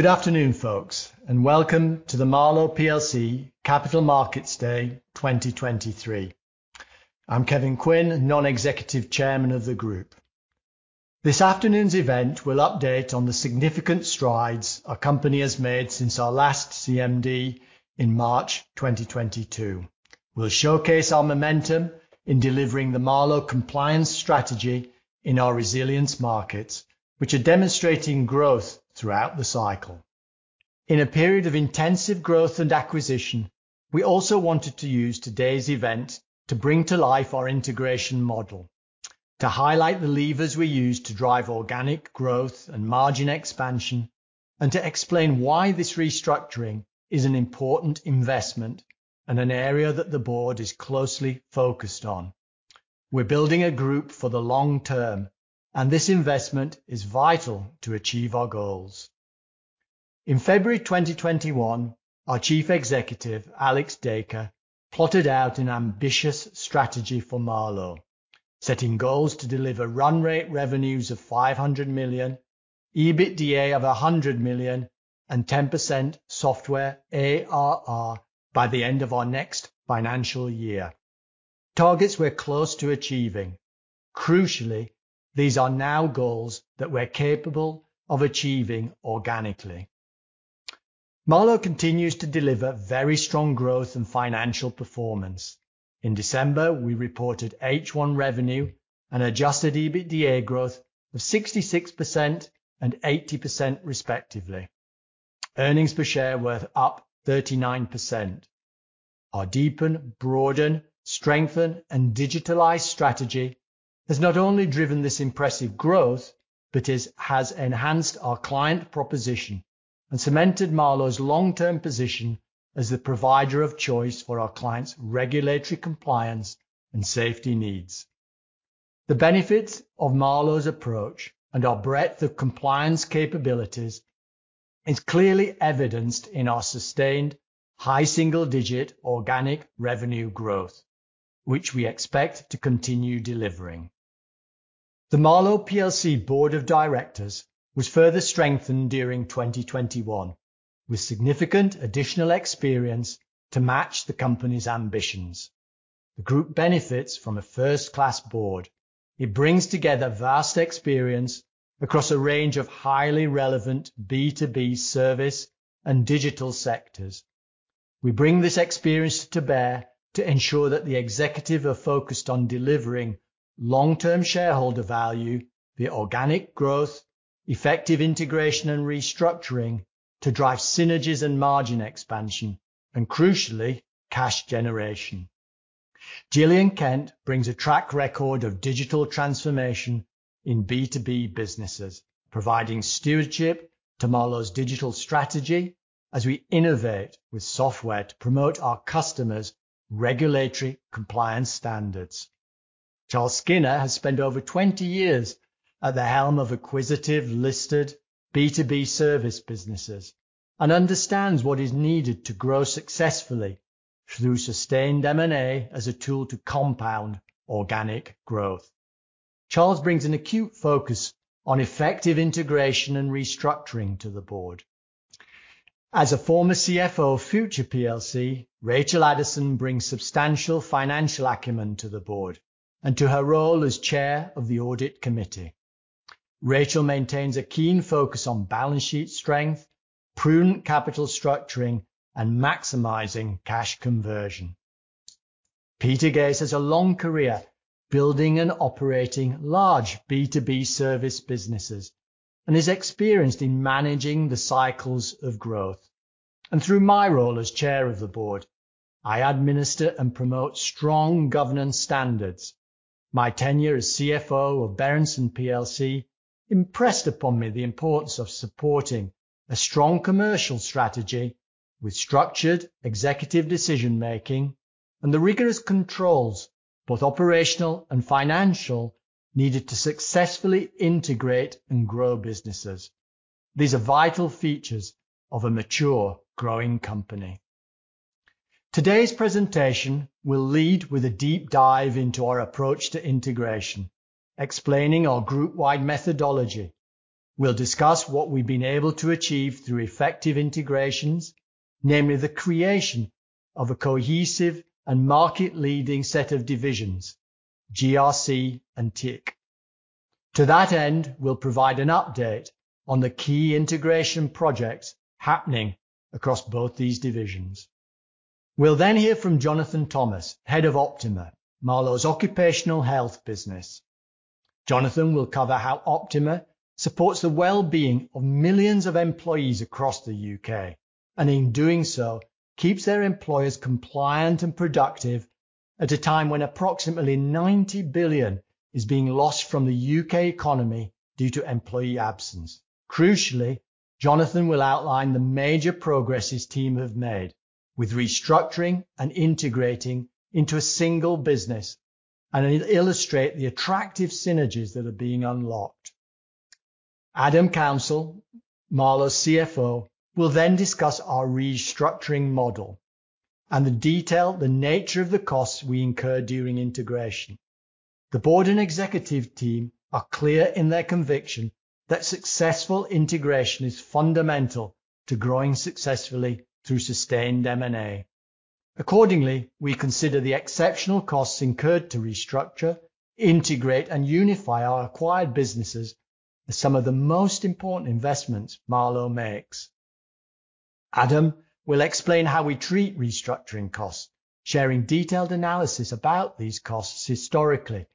Good afternoon, folks, and welcome to the Marlowe plc Capital Markets Day 2023. I'm Kevin Quinn, Non-Executive Chairman of the Group. This afternoon's event will update on the significant strides our company has made since our last CMD in March 2022. We'll showcase our momentum in delivering the Marlowe compliance strategy in our resilience markets, which are demonstrating growth throughout the cycle. In a period of intensive growth and acquisition, we also wanted to use today's event to bring to life our integration model, to highlight the levers we use to drive organic growth and margin expansion, and to explain why this restructuring is an important investment and an area that the board is closely focused on. We're building a group for the long term, and this investment is vital to achieve our goals. In February 2021, our Chief Executive, Alex Dacre, plotted out an ambitious strategy for Marlowe, setting goals to deliver run rate revenues of 500 million, EBITDA of 100 million, and 10% software ARR by the end of our next financial year. Targets we're close to achieving. Crucially, these are now goals that we're capable of achieving organically. Marlowe continues to deliver very strong growth and financial performance. In December, we reported H1 revenue and adjusted EBITDA growth of 66% and 80% respectively. Earnings per share were up 39%. Our deepen, broaden, strengthen, and digitalize strategy has not only driven this impressive growth, but has enhanced our client proposition and cemented Marlowe's long-term position as the provider of choice for our clients' regulatory compliance and safety needs. The benefits of Marlowe's approach and our breadth of compliance capabilities is clearly evidenced in our sustained high single-digit organic revenue growth, which we expect to continue delivering. The Marlowe plc Board of Directors was further strengthened during 2021 with significant additional experience to match the company's ambitions. The group benefits from a first-class board. It brings together vast experience across a range of highly relevant B2B service and digital sectors. We bring this experience to bear to ensure that the executive are focused on delivering long-term shareholder value, the organic growth, effective integration and restructuring to drive synergies and margin expansion, and crucially, cash generation. Gillian Kent brings a track record of digital transformation in B2B businesses, providing stewardship to Marlowe's digital strategy as we innovate with software to promote our customers' regulatory compliance standards. Charles Skinner has spent over 20 years at the helm of acquisitive listed B to B service businesses and understands what is needed to grow successfully through sustained M&A as a tool to compound organic growth. Charles brings an acute focus on effective integration and restructuring to the board. As a former CFO of Future plc, Rachel Addison brings substantial financial acumen to the board and to her role as Chair of the Audit Committee. Rachel maintains a keen focus on balance sheet strength, prudent capital structuring, and maximizing cash conversion. Peter Gaze has a long career building and operating large B2B service businesses and is experienced in managing the cycles of growth. Through my role as Chair of the Board, I administer and promote strong governance standards. My tenure as CFO of Berendsen plc impressed upon me the importance of supporting a strong commercial strategy with structured executive decision-making and the rigorous controls, both operational and financial, needed to successfully integrate and grow businesses. These are vital features of a mature growing company. Today's presentation will lead with a deep dive into our approach to integration, explaining our group-wide methodology. We'll discuss what we've been able to achieve through effective integrations, namely the creation of a cohesive and market-leading set of divisions, GRC and TIC. To that end, we'll provide an update on the key integration projects happening across both these divisions. We'll then hear from Jonathan Thomas, head of Optima, Marlowe's occupational health business. Jonathan will cover how Optima supports the well-being of millions of employees across the U.K., and in doing so, keeps their employers compliant and productive at a time when approximately 90 billion is being lost from the U.K. economy due to employee absence. Crucially, Jonathan will outline the major progress his team have made with restructuring and integrating into a single business, and he'll illustrate the attractive synergies that are being unlocked. Adam Councell, Marlowe's CFO, will then discuss our restructuring model and the detail, the nature of the costs we incur during integration. The board and executive team are clear in their conviction that successful integration is fundamental to growing successfully through sustained M&A. Accordingly, we consider the exceptional costs incurred to restructure, integrate, and unify our acquired businesses as some of the most important investments Marlowe makes. Adam will explain how we treat restructuring costs, sharing detailed analysis about these costs historically,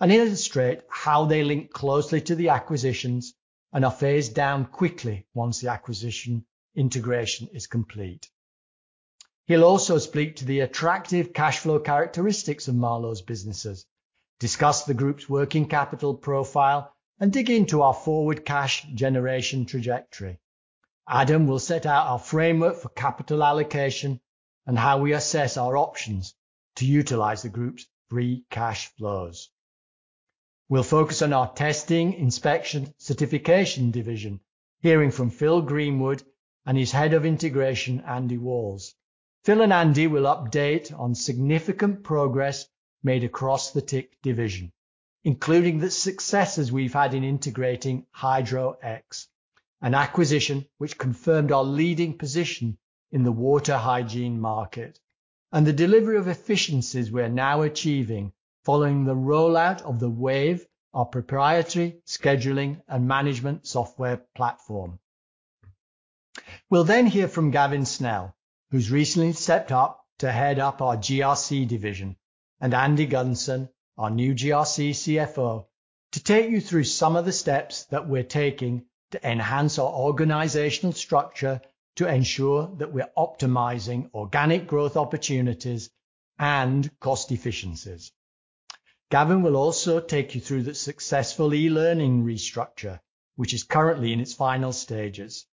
and illustrate how they link closely to the acquisitions and are phased down quickly once the acquisition integration is complete. He'll also speak to the attractive cash flow characteristics of Marlowe's businesses, discuss the group's working capital profile, and dig into our forward cash generation trajectory. Adam will set out our framework for capital allocation and how we assess our options to utilize the group's free cash flows. We'll focus on our testing inspection certification division, hearing from Phil Greenwood and his head of integration, Andy Walls. Phil and Andy will update on significant progress made across the TIC division, including the successes we've had in integrating Hydro-X, an acquisition which confirmed our leading position in the water hygiene market, and the delivery of efficiencies we're now achieving following the rollout of the Wave, our proprietary scheduling and management software platform. We'll hear from Gavin Snell, who's recently stepped up to head up our GRC division, and Andy Gunson, our new GRC CFO, to take you through some of the steps that we're taking to enhance our organizational structure to ensure that we're optimizing organic growth opportunities and cost efficiencies. Gavin will also take you through the successful e-learning restructure, which is currently in its final stages.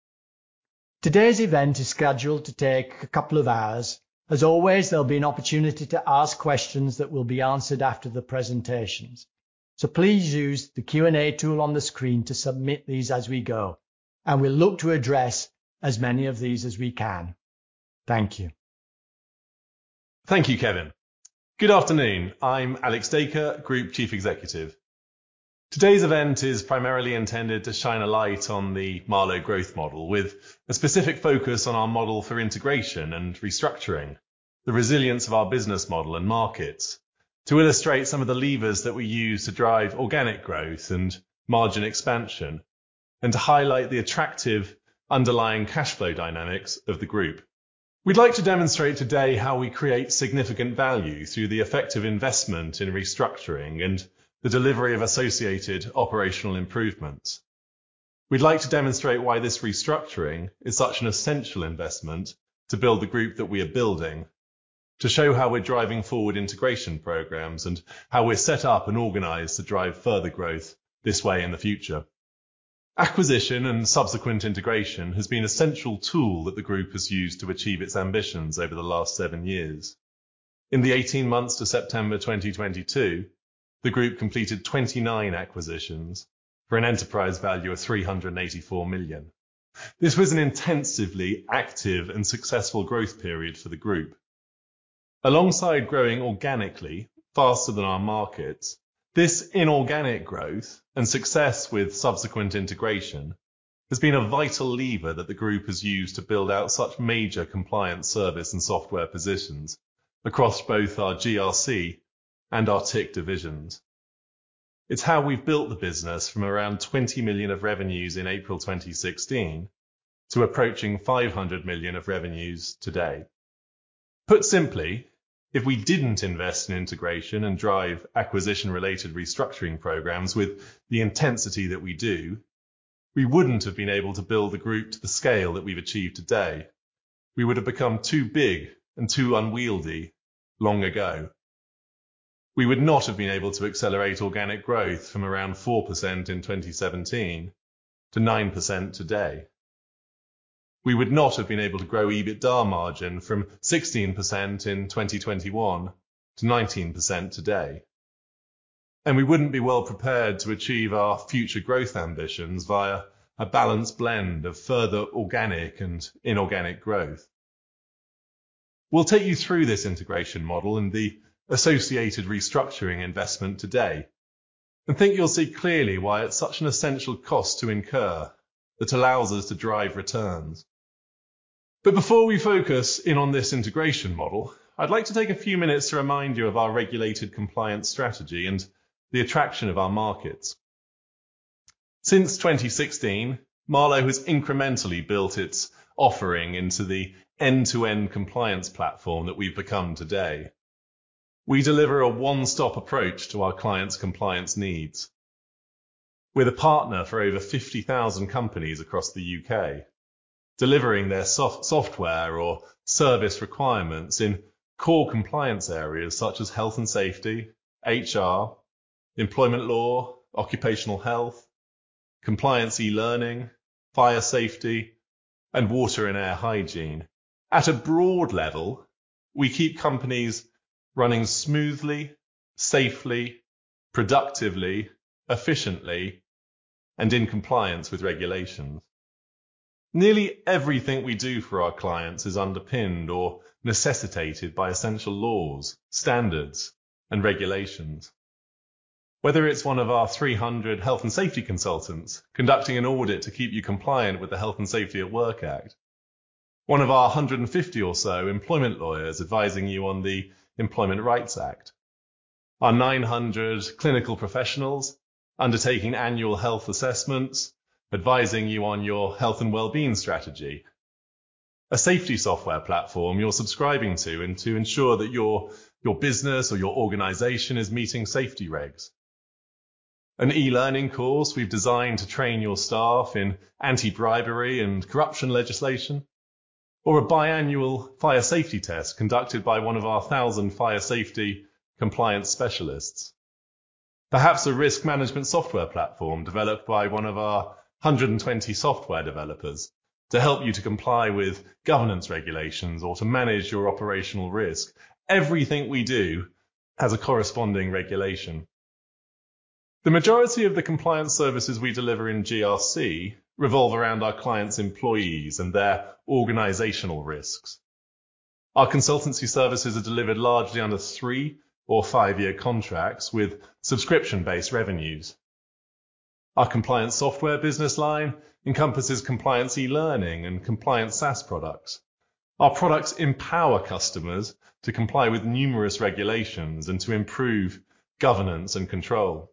Today's event is scheduled to take a couple of hours. As always, there'll be an opportunity to ask questions that will be answered after the presentations. Please use the Q&A tool on the screen to submit these as we go, and we'll look to address as many of these as we can. Thank you. Thank you, Kevin. Good afternoon. I'm Alex Dacre, Group Chief Executive. Today's event is primarily intended to shine a light on the Marlowe Growth Model with a specific focus on our model for integration and restructuring, the resilience of our business model and markets, to illustrate some of the levers that we use to drive organic growth and margin expansion, and to highlight the attractive underlying cash flow dynamics of the group. We'd like to demonstrate today how we create significant value through the effective investment in restructuring and the delivery of associated operational improvements. We'd like to demonstrate why this restructuring is such an essential investment to build the group that we are building, to show how we're driving forward integration programs and how we're set up and organized to drive further growth this way in the future. Acquisition and subsequent integration has been a central tool that the group has used to achieve its ambitions over the last seven years. In the 18 months to September 2022, the group completed 29 acquisitions for an enterprise value of 384 million. This was an intensively active and successful growth period for the group. Alongside growing organically faster than our markets, this inorganic growth and success with subsequent integration has been a vital lever that the group has used to build out such major compliance service and software positions across both our GRC and our TIC divisions. It's how we've built the business from around 20 million of revenues in April 2016 to approaching 500 million of revenues today. Put simply, if we didn't invest in integration and drive acquisition-related restructuring programs with the intensity that we do, we wouldn't have been able to build the group to the scale that we've achieved today. We would have become too big and too unwieldy long ago. We would not have been able to accelerate organic growth from around 4% in 2017 to 9% today. We would not have been able to grow EBITDA margin from 16% in 2021 to 19% today. We wouldn't be well prepared to achieve our future growth ambitions via a balanced blend of further organic and inorganic growth. We'll take you through this integration model and the associated restructuring investment today, think you'll see clearly why it's such an essential cost to incur that allows us to drive returns. Before we focus in on this integration model, I'd like to take a few minutes to remind you of our regulated compliance strategy and the attraction of our markets. Since 2016, Marlowe has incrementally built its offering into the end-to-end compliance platform that we've become today. We deliver a one-stop approach to our clients' compliance needs. We're the partner for over 50,000 companies across the U.K., delivering their software or service requirements in core compliance areas such as health and safety, HR, employment law, occupational health, compliance e-learning, fire safety, and water and air hygiene. At a broad level, we keep companies running smoothly, safely, productively, efficiently, and in compliance with regulations. Nearly everything we do for our clients is underpinned or necessitated by essential laws, standards, and regulations. Whether it's one of our 300 health and safety consultants conducting an audit to keep you compliant with the Health and Safety at Work Act. One of our 150 or so employment lawyers advising you on the Employment Rights Act. Our 900 clinical professionals undertaking annual health assessments, advising you on your health and well-being strategy. A safety software platform you're subscribing to and to ensure that your business or your organization is meeting safety regs. An e-learning course we've designed to train your staff in anti-bribery and corruption legislation. A biannual fire safety test conducted by one of our 1,000 fire safety compliance specialists. Perhaps a risk management software platform developed by one of our 120 software developers to help you to comply with governance regulations or to manage your operational risk. Everything we do has a corresponding regulation. The majority of the compliance services we deliver in GRC revolve around our clients' employees and their organizational risks. Our consultancy services are delivered largely under three or five-year contracts with subscription-based revenues. Our compliance software business line encompasses compliance e-learning and compliance SaaS products. Our products empower customers to comply with numerous regulations and to improve governance and control.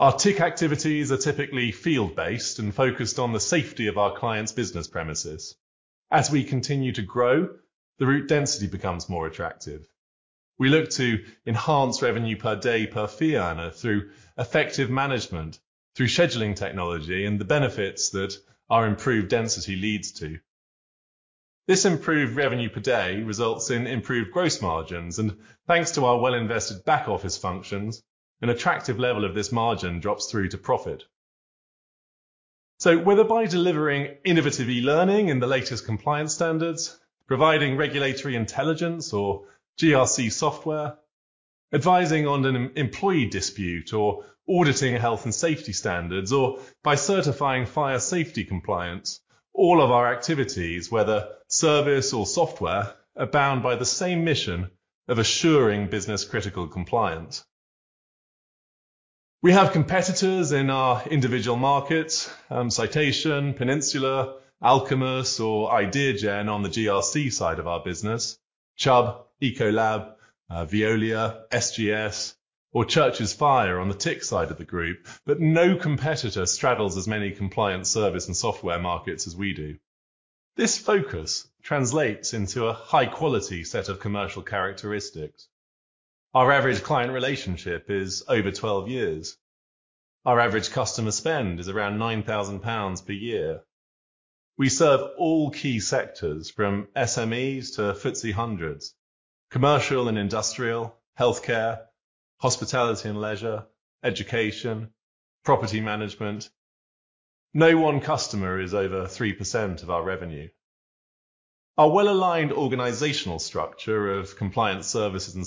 Our TIC activities are typically field-based and focused on the safety of our clients' business premises. As we continue to grow, the route density becomes more attractive. We look to enhance revenue per day per fee earner through effective management, through scheduling technology and the benefits that our improved density leads to. This improved revenue per day results in improved gross margins, and thanks to our well-invested back-office functions, an attractive level of this margin drops through to profit. Whether by delivering innovative e-learning in the latest compliance standards, providing regulatory intelligence or GRC software, advising on an employee dispute or auditing health and safety standards, or by certifying fire safety compliance, all of our activities, whether service or software, are bound by the same mission of assuring business-critical compliance. We have competitors in our individual markets, Citation, Peninsula, Alcumus or Ideagen on the GRC side of our business. Chubb, Ecolab, Veolia, SGS or Churches Fire on the TIC side of the group. No competitor straddles as many compliance service and software markets as we do. This focus translates into a high-quality set of commercial characteristics. Our average client relationship is over 12 years. Our average customer spend is around 9,000 pounds per year. We serve all key sectors from SMEs to FTSE hundreds, commercial and industrial, healthcare, hospitality and leisure, education, property management. No one customer is over 3% of our revenue. Our well-aligned organizational structure of compliance services and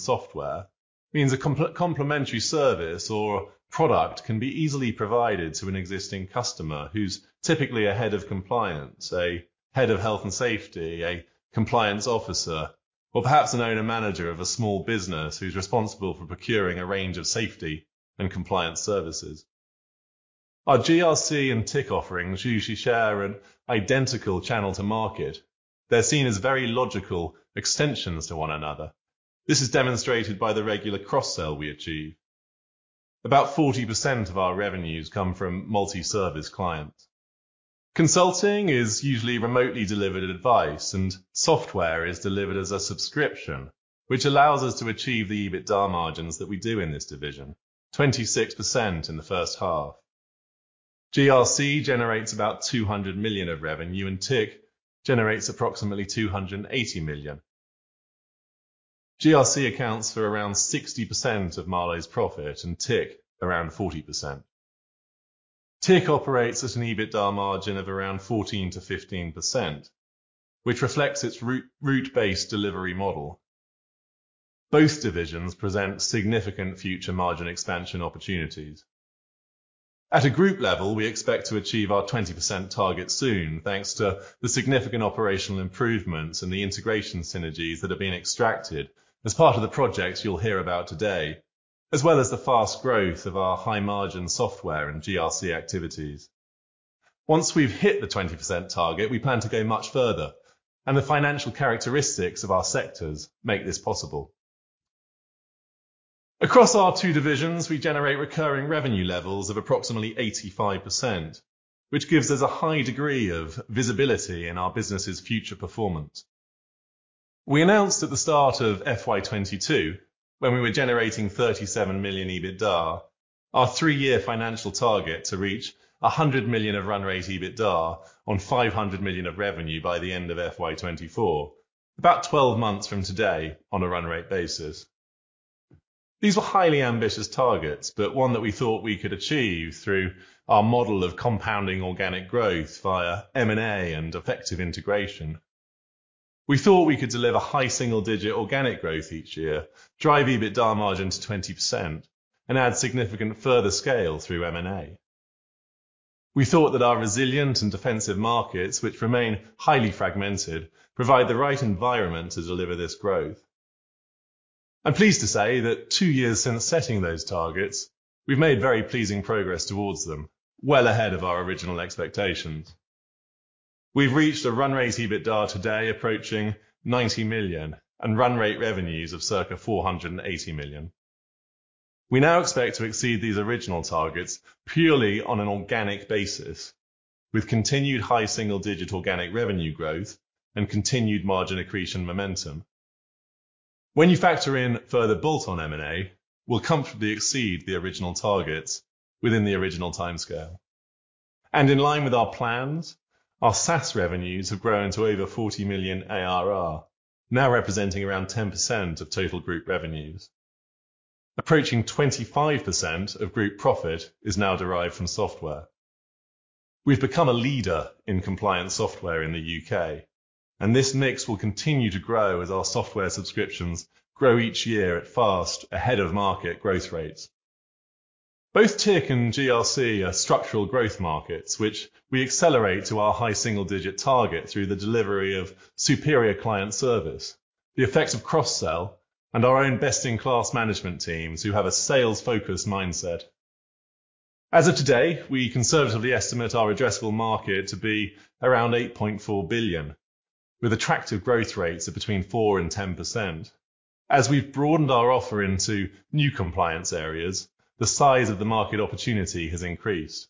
software means a complementary service or product can be easily provided to an existing customer who's typically a head of compliance, a head of Health & Safety, a compliance officer, or perhaps an owner-manager of a small business who's responsible for procuring a range of safety and compliance services. Our GRC and TIC offerings usually share an identical channel to market. They're seen as very logical extensions to one another. This is demonstrated by the regular cross-sell we achieve. About 40% of our revenues come from multi-service clients. Consulting is usually remotely delivered advice, software is delivered as a subscription, which allows us to achieve the EBITDA margins that we do in this division. 26% in the first half. GRC generates about 200 million of revenue, and TIC generates approximately 280 million. GRC accounts for around 60% of Marlowe's profit, and TIC around 40%. TIC operates at an EBITDA margin of around 14%-15%, which reflects its route-based delivery model. Both divisions present significant future margin expansion opportunities. At a group level, we expect to achieve our 20% target soon, thanks to the significant operational improvements and the integration synergies that are being extracted as part of the projects you'll hear about today, as well as the fast growth of our high-margin software and GRC activities. Once we've hit the 20% target, we plan to go much further, and the financial characteristics of our sectors make this possible. Across our two divisions, we generate recurring revenue levels of approximately 85%, which gives us a high degree of visibility in our business' future performance. We announced at the start of FY 2022, when we were generating 37 million EBITDA, our three-year financial target to reach 100 million of run rate EBITDA on 500 million of revenue by the end of FY 2024, about 12 months from today on a run rate basis. These were highly ambitious targets, one that we thought we could achieve through our model of compounding organic growth via M&A and effective integration. We thought we could deliver high single-digit organic growth each year, drive EBITDA margin to 20% and add significant further scale through M&A. We thought that our resilient and defensive markets, which remain highly fragmented, provide the right environment to deliver this growth. I'm pleased to say that two years since setting those targets, we've made very pleasing progress towards them, well ahead of our original expectations. We've reached a run rate EBITDA today approaching 90 million and run rate revenues of circa 480 million. We now expect to exceed these original targets purely on an organic basis with continued high single-digit organic revenue growth and continued margin accretion momentum. When you factor in further bolt-on M&A, we'll comfortably exceed the original targets within the original timescale. In line with our plans, our SaaS revenues have grown to over 40 million ARR, now representing around 10% of total group revenues. Approaching 25% of group profit is now derived from software. We've become a leader in compliance software in the U.K., and this mix will continue to grow as our software subscriptions grow each year at fast ahead of market growth rates. Both TIC and GRC are structural growth markets, which we accelerate to our high single-digit target through the delivery of superior client service, the effects of cross-sell and our own best-in-class management teams who have a sales-focused mindset. As of today, we conservatively estimate our addressable market to be around 8.4 billion, with attractive growth rates of between 4%-10%. As we've broadened our offer into new compliance areas, the size of the market opportunity has increased.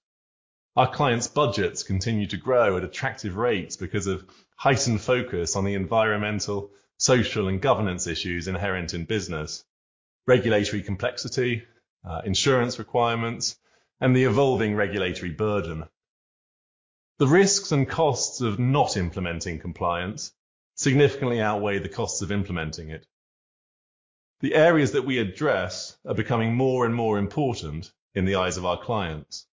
Our clients' budgets continue to grow at attractive rates because of heightened focus on the environmental, social, and governance issues inherent in business, regulatory complexity, insurance requirements, and the evolving regulatory burden. The risks and costs of not implementing compliance significantly outweigh the costs of implementing it. The areas that we address are becoming more and more important in the eyes of our clients.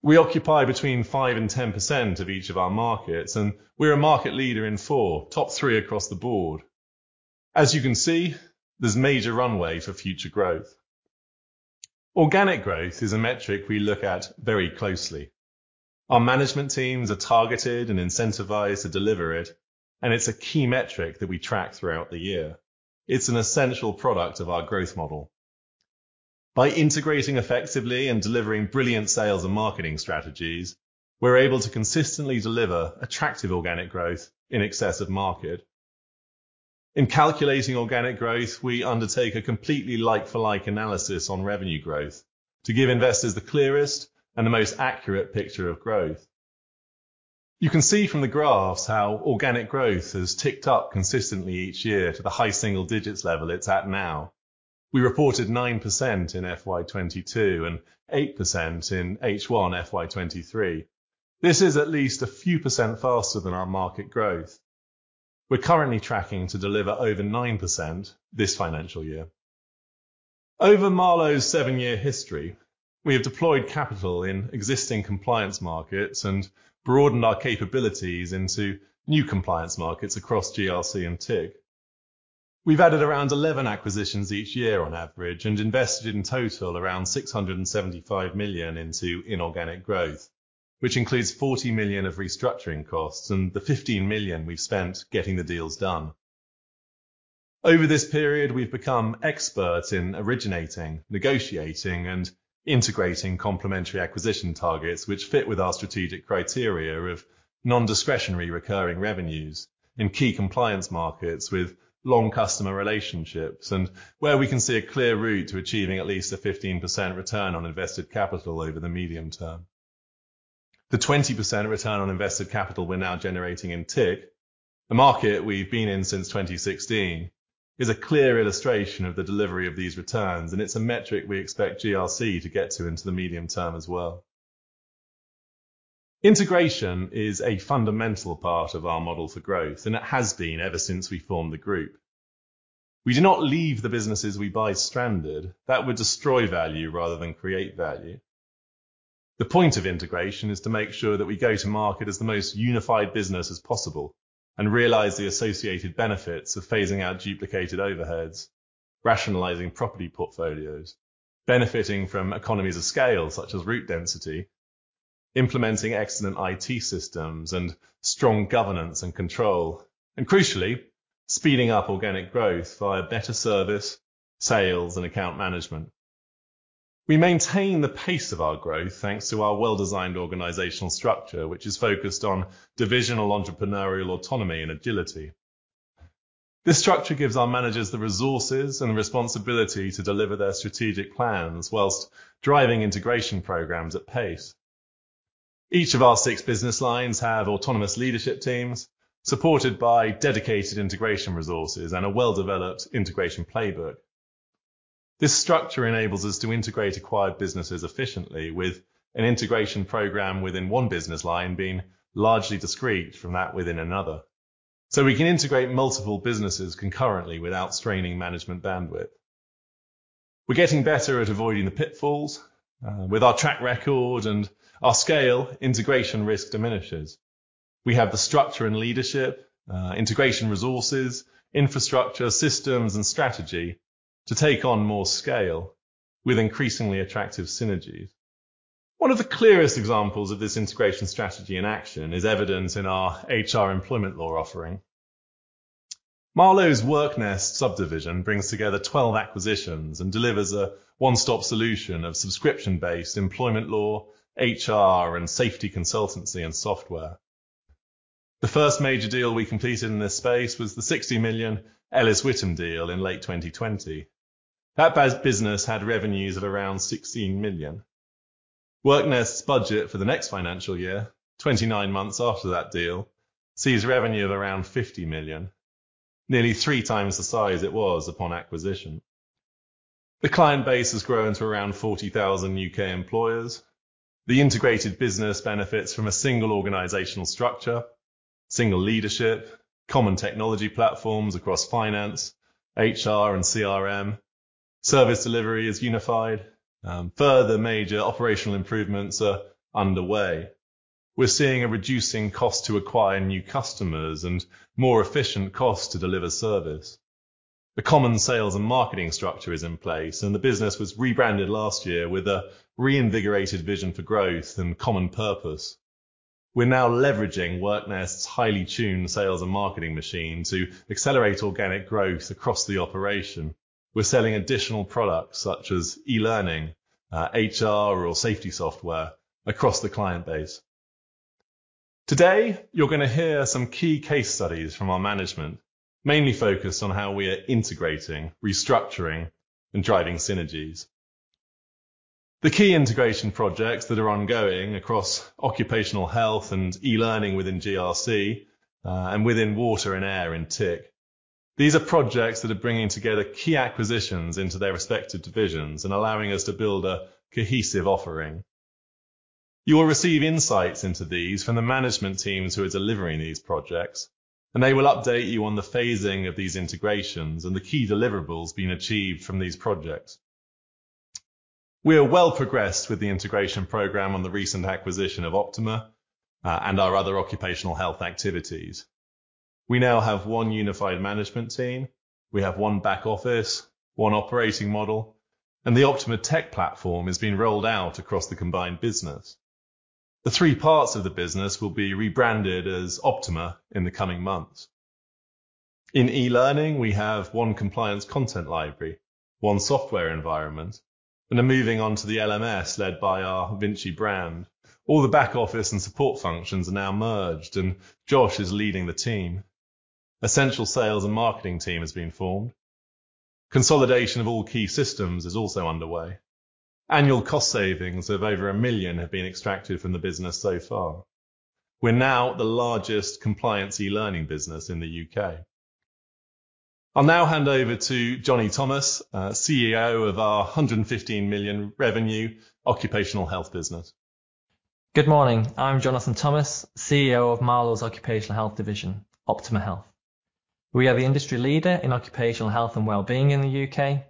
We occupy between 5%-10% of each of our markets, and we're a market leader in four, top three across the board. As you can see, there's major runway for future growth. Organic growth is a metric we look at very closely. Our management teams are targeted and incentivized to deliver it, and it's a key metric that we track throughout the year. It's an essential product of our growth model. By integrating effectively and delivering brilliant sales and marketing strategies, we're able to consistently deliver attractive organic growth in excess of market. In calculating organic growth, we undertake a completely like for like analysis on revenue growth to give investors the clearest and the most accurate picture of growth. You can see from the graphs how organic growth has ticked up consistently each year to the high single digits level it's at now. We reported 9% in FY 2022 and 8% in H1 FY 2023. This is at least a few percent faster than our market growth. We're currently tracking to deliver over 9% this financial year. Over Marlowe's seven-year history, we have deployed capital in existing compliance markets and broadened our capabilities into new compliance markets across GRC and TIC. We've added around 11 acquisitions each year on average and invested in total around 675 million into inorganic growth, which includes 40 million of restructuring costs and the 15 million we've spent getting the deals done. Over this period, we've become experts in originating, negotiating, and integrating complementary acquisition targets which fit with our strategic criteria of non-discretionary recurring revenues in key compliance markets with long customer relationships and where we can see a clear route to achieving at least a 15% return on invested capital over the medium term. The 20% return on invested capital we're now generating in TIC, a market we've been in since 2016, is a clear illustration of the delivery of these returns, and it's a metric we expect GRC to get to into the medium term as well. Integration is a fundamental part of our model for growth, and it has been ever since we formed the group. We do not leave the businesses we buy stranded. That would destroy value rather than create value. The point of integration is to make sure that we go to market as the most unified business as possible and realize the associated benefits of phasing out duplicated overheads, rationalizing property portfolios, benefiting from economies of scale, such as route density, implementing excellent IT systems and strong governance and control, and crucially, speeding up organic growth via better service, sales, and account management. We maintain the pace of our growth thanks to our well-designed organizational structure, which is focused on divisional entrepreneurial autonomy and agility. This structure gives our managers the resources and responsibility to deliver their strategic plans whilst driving integration programs at pace. Each of our six business lines have autonomous leadership teams supported by dedicated integration resources and a well-developed integration playbook. This structure enables us to integrate acquired businesses efficiently with an integration program within one business line being largely discrete from that within another. We can integrate multiple businesses concurrently without straining management bandwidth. We're getting better at avoiding the pitfalls. With our track record and our scale, integration risk diminishes. We have the structure and leadership, integration resources, infrastructure, systems, and strategy to take on more scale with increasingly attractive synergies. One of the clearest examples of this integration strategy in action is evidence in our HR employment law offering. Marlowe's WorkNest subdivision brings together 12 acquisitions and delivers a one-stop solution of subscription-based employment law, HR, and safety consultancy and software. The first major deal we completed in this space was the 60 million Ellis Whittam deal in late 2020. That business had revenues of around 16 million. WorkNest's budget for the next financial year, 29 months after that deal, sees revenue of around 50 million, nearly 3x the size it was upon acquisition. The client base has grown to around 40,000 U.K. employers. The integrated business benefits from a single organizational structure, single leadership, common technology platforms across finance, HR, and CRM. Service delivery is unified. Further major operational improvements are underway. We're seeing a reducing cost to acquire new customers and more efficient cost to deliver service. The common sales and marketing structure is in place, and the business was rebranded last year with a reinvigorated vision for growth and common purpose. We're now leveraging WorkNest's highly tuned sales and marketing machine to accelerate organic growth across the operation. We're selling additional products such as e-learning, HR, or safety software across the client base. Today, you're gonna hear some key case studies from our management, mainly focused on how we are integrating, restructuring, and driving synergies. The key integration projects that are ongoing across occupational health and e-learning within GRC, and within water and air in TIC, these are projects that are bringing together key acquisitions into their respective divisions and allowing us to build a cohesive offering. You will receive insights into these from the management teams who are delivering these projects, and they will update you on the phasing of these integrations and the key deliverables being achieved from these projects. We are well progressed with the integration program on the recent acquisition of Optima and our other occupational health activities. We now have one unified management team. We have one back office, one operating model, and the Optima tech platform is being rolled out across the combined business. The three parts of the business will be rebranded as Optima in the coming months. In e-learning, we have one compliance content library, one software environment, and are moving on to the LMS led by our Vinci brand. All the back office and support functions are now merged, and Josh is leading the team. Essential sales and marketing team has been formed. Consolidation of all key systems is also underway. Annual cost savings of over 1 million have been extracted from the business so far. We're now the largest compliance e-learning business in the U.K.. I'll now hand over to Johnny Thomas, CEO of our 115 million revenue occupational health business. Good morning. I'm Jonathan Thomas, CEO of Marlowe's occupational health division, Optima Health. We are the industry leader in occupational health and wellbeing in the U.K..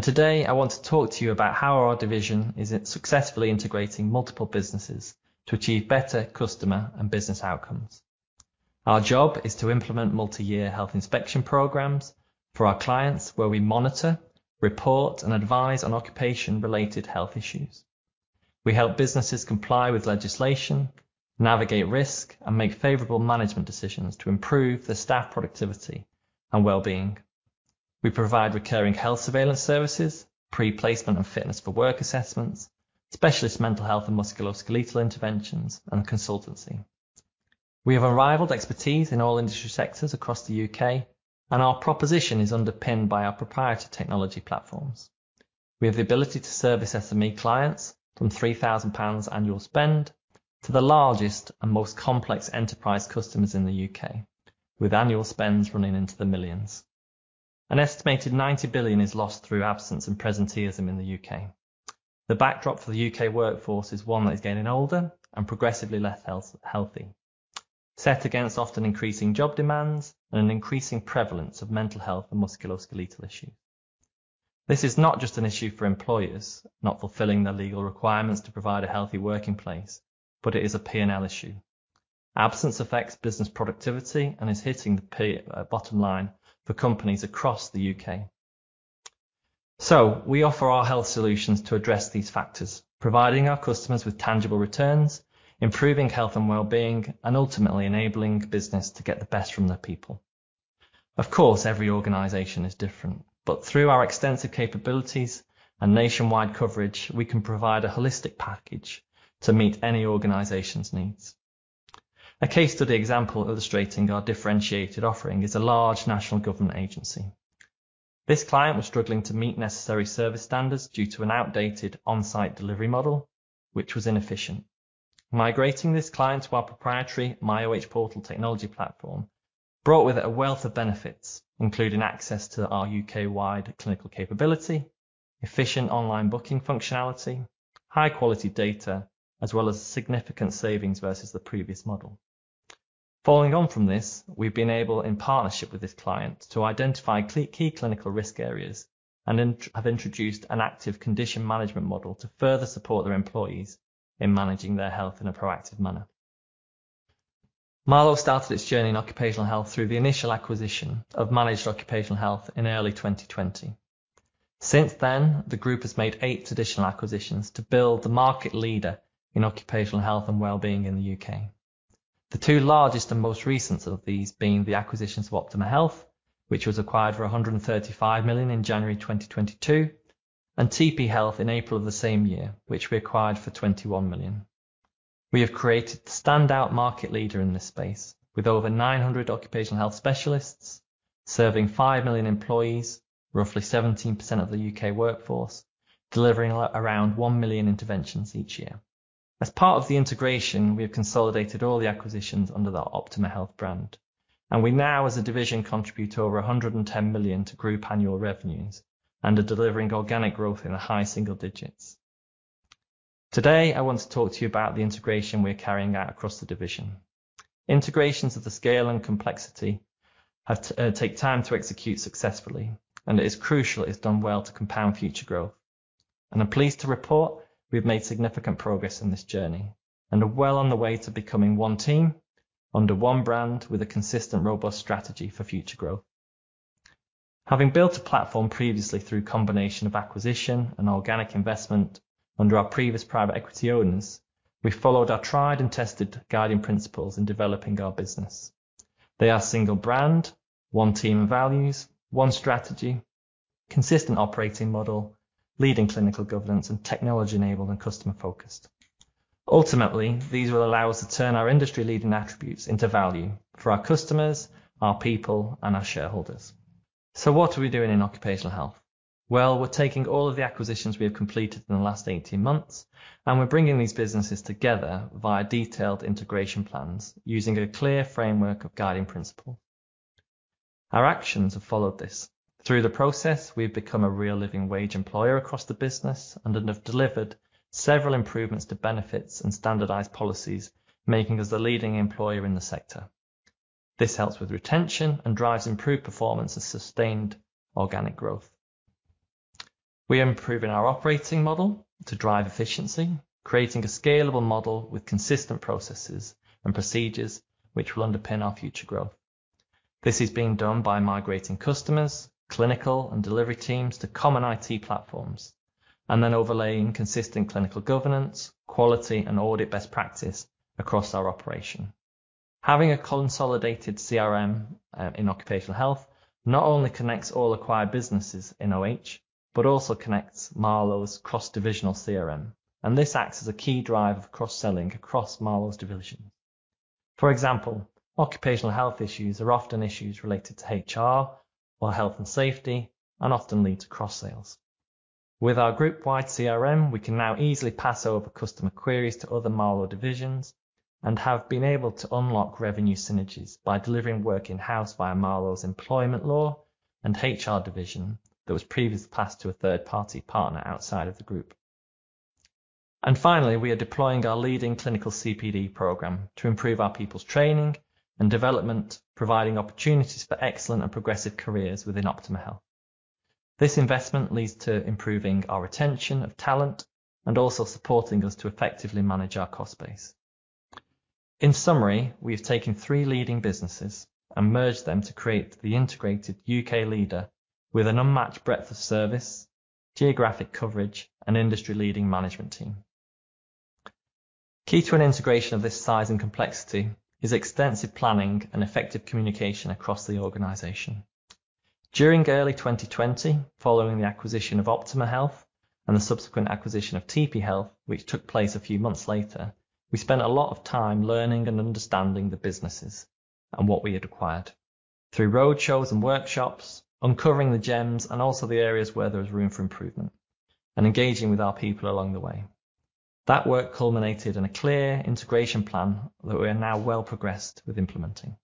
Today, I want to talk to you about how our division is successfully integrating multiple businesses to achieve better customer and business outcomes. Our job is to implement multi-year health inspection programs for our clients, where we monitor, report, and advise on occupation-related health issues. We help businesses comply with legislation, navigate risk, and make favorable management decisions to improve the staff productivity and wellbeing. We provide recurring health surveillance services, pre-placement and fitness for work assessments, specialist mental health and musculoskeletal interventions, and consultancy. We have unrivaled expertise in all industry sectors across the U.K.. Our proposition is underpinned by our proprietary technology platforms. We have the ability to service SME clients from 3,000 pounds annual spend to the largest and most complex enterprise customers in the U.K., with annual spends running into the millions. An estimated 90 billion is lost through absence and presenteeism in the U.K.. The backdrop for the U.K. workforce is one that is getting older and progressively less healthy, set against often increasing job demands and an increasing prevalence of mental health and musculoskeletal issue. This is not just an issue for employers not fulfilling their legal requirements to provide a healthy working place, but it is a P&L issue. Absence affects business productivity and is hitting the bottom line for companies across the U.K.. We offer our health solutions to address these factors, providing our customers with tangible returns, improving health and wellbeing, and ultimately enabling business to get the best from their people. Of course, every organization is different, but through our extensive capabilities and nationwide coverage, we can provide a holistic package to meet any organization's needs. A case study example illustrating our differentiated offering is a large national government agency. This client was struggling to meet necessary service standards due to an outdated on-site delivery model, which was inefficient. Migrating this client to our proprietary myOH portal technology platform brought with it a wealth of benefits, including access to our U.K.-wide clinical capability, efficient online booking functionality, high-quality data, as well as significant savings versus the previous model. Following on from this, we've been able, in partnership with this client, to identify key clinical risk areas and have introduced an active condition management model to further support their employees in managing their health in a proactive manner. Marlowe started its journey in occupational health through the initial acquisition of Managed Occupational Health in early 2020. The group has made eight traditional acquisitions to build the market leader in occupational health and well-being in the U.K.. The two largest and most recent of these being the acquisition of Optima Health, which was acquired for 135 million in January 2022, and TP Health in April of the same year, which we acquired for 21 million. We have created the standout market leader in this space, with over 900 occupational health specialists serving 5 million employees, roughly 17% of the U.K. workforce, delivering around 1 million interventions each year. As part of the integration, we have consolidated all the acquisitions under the Optima Health brand, and we now, as a division, contribute over 110 million to group annual revenues and are delivering organic growth in the high single digits. Today, I want to talk to you about the integration we're carrying out across the division. Integrations of the scale and complexity have to take time to execute successfully, and it is crucial it's done well to compound future growth. I'm pleased to report we've made significant progress in this journey and are well on the way to becoming one team, under one brand with a consistent, robust strategy for future growth. Having built a platform previously through a combination of acquisition and organic investment under our previous private equity owners, we followed our tried and tested guiding principles in developing our business. They are single brand, one team and values, one strategy, consistent operating model, leading clinical governance, and technology-enabled and customer-focused. Ultimately, these will allow us to turn our industry-leading attributes into value for our customers, our people, and our shareholders. What are we doing in occupational health? We're taking all of the acquisitions we have completed in the last 18 months, and we're bringing these businesses together via detailed integration plans using a clear framework of guiding principle. Our actions have followed this. Through the process, we've become a real living wage employer across the business and have delivered several improvements to benefits and standardized policies, making us the leading employer in the sector. This helps with retention and drives improved performance and sustained organic growth. We are improving our operating model to drive efficiency, creating a scalable model with consistent processes and procedures which will underpin our future growth. This is being done by migrating customers, clinical, and delivery teams to common IT platforms. Then overlaying consistent clinical governance, quality, and audit best practice across our operation. Having a consolidated CRM in occupational health not only connects all acquired businesses in OH, but also connects Marlowe's cross-divisional CRM. This acts as a key driver of cross-selling across Marlowe's divisions. For example, occupational health issues are often issues related to HR or health and safety and often lead to cross-sales. With our group-wide CRM, we can now easily pass over customer queries to other Marlowe divisions and have been able to unlock revenue synergies by delivering work in-house via Marlowe's employment law and HR division that was previously passed to a third-party partner outside of the group. Finally, we are deploying our leading clinical CPD program to improve our people's training and development, providing opportunities for excellent and progressive careers within Optima Health. This investment leads to improving our retention of talent and also supporting us to effectively manage our cost base. In summary, we have taken three leading businesses and merged them to create the integrated U.K. leader with an unmatched breadth of service, geographic coverage, and industry-leading management team. Key to an integration of this size and complexity is extensive planning and effective communication across the organization. During early 2020, following the acquisition of Optima Health and the subsequent acquisition of TP Health, which took place a few months later, we spent a lot of time learning and understanding the businesses and what we had acquired. Through roadshows and workshops, uncovering the gems and also the areas where there was room for improvement and engaging with our people along the way. That work culminated in a clear integration plan that we are now well progressed with implementing.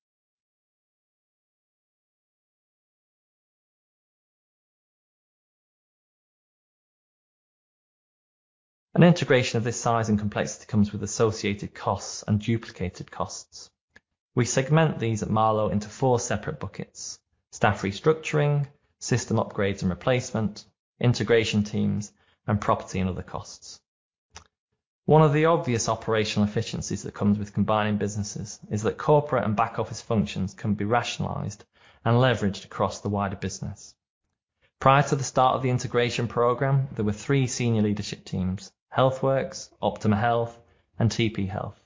An integration of this size and complexity comes with associated costs and duplicated costs. We segment these at Marlowe into four separate buckets: staff restructuring, system upgrades and replacement, integration teams, and property and other costs. One of the obvious operational efficiencies that comes with combining businesses is that corporate and back office functions can be rationalized and leveraged across the wider business. Prior to the start of the integration program, there were three senior leadership teams, Healthwork, Optima Health, and TP Health.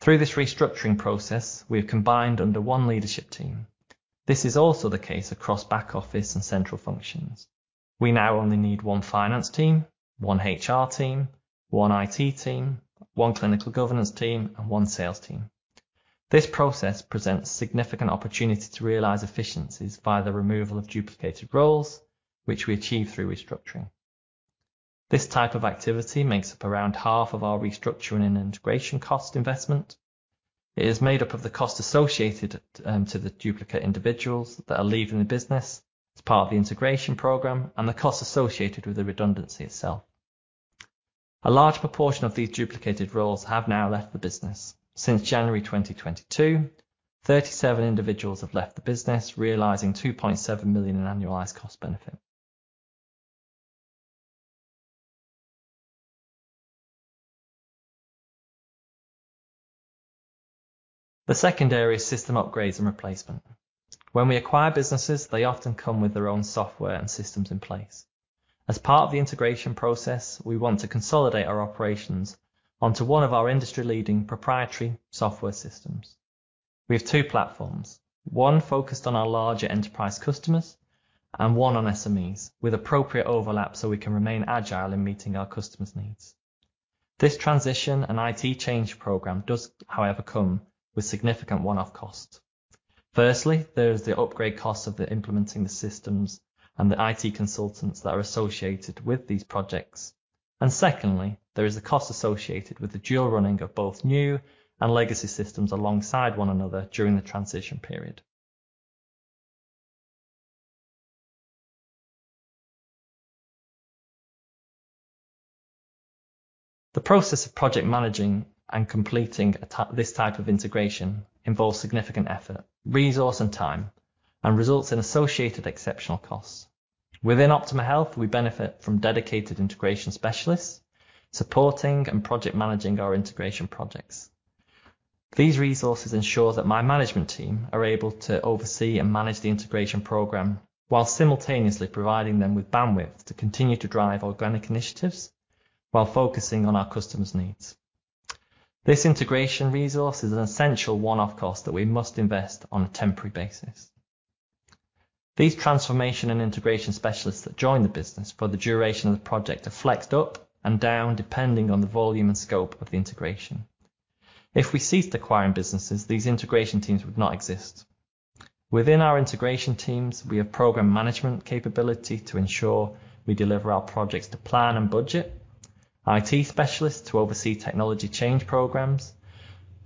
Through this restructuring process, we have combined under one leadership team. This is also the case across back office and central functions. We now only need one finance team, one HR team, one IT team, one clinical governance team, and one sales team. This process presents significant opportunity to realize efficiencies via the removal of duplicated roles, which we achieve through restructuring. This type of activity makes up around half of our restructuring and integration cost investment. It is made up of the cost associated to the duplicate individuals that are leaving the business as part of the integration program and the cost associated with the redundancy itself. A large proportion of these duplicated roles have now left the business. Since January 2022, 37 individuals have left the business, realizing 2.7 million in annualized cost benefit. The second area is system upgrades and replacement. When we acquire businesses, they often come with their own software and systems in place. As part of the integration process, we want to consolidate our operations onto one of our industry-leading proprietary software systems. We have two platforms, one focused on our larger enterprise customers and one on SMEs with appropriate overlap so we can remain agile in meeting our customer's needs. This transition and IT change program does, however, come with significant one-off costs. Firstly, there is the upgrade cost of the implementing the systems and the IT consultants that are associated with these projects. Secondly, there is a cost associated with the dual running of both new and legacy systems alongside one another during the transition period. The process of project managing and completing this type of integration involves significant effort, resource, and time, and results in associated exceptional costs. Within Optima Health, we benefit from dedicated integration specialists supporting and project managing our integration projects. These resources ensure that my management team are able to oversee and manage the integration program while simultaneously providing them with bandwidth to continue to drive organic initiatives while focusing on our customer's needs. This integration resource is an essential one-off cost that we must invest on a temporary basis. These transformation and integration specialists that join the business for the duration of the project are flexed up and down, depending on the volume and scope of the integration. If we cease acquiring businesses, these integration teams would not exist. Within our integration teams, we have program management capability to ensure we deliver our projects to plan and budget, IT specialists to oversee technology change programs,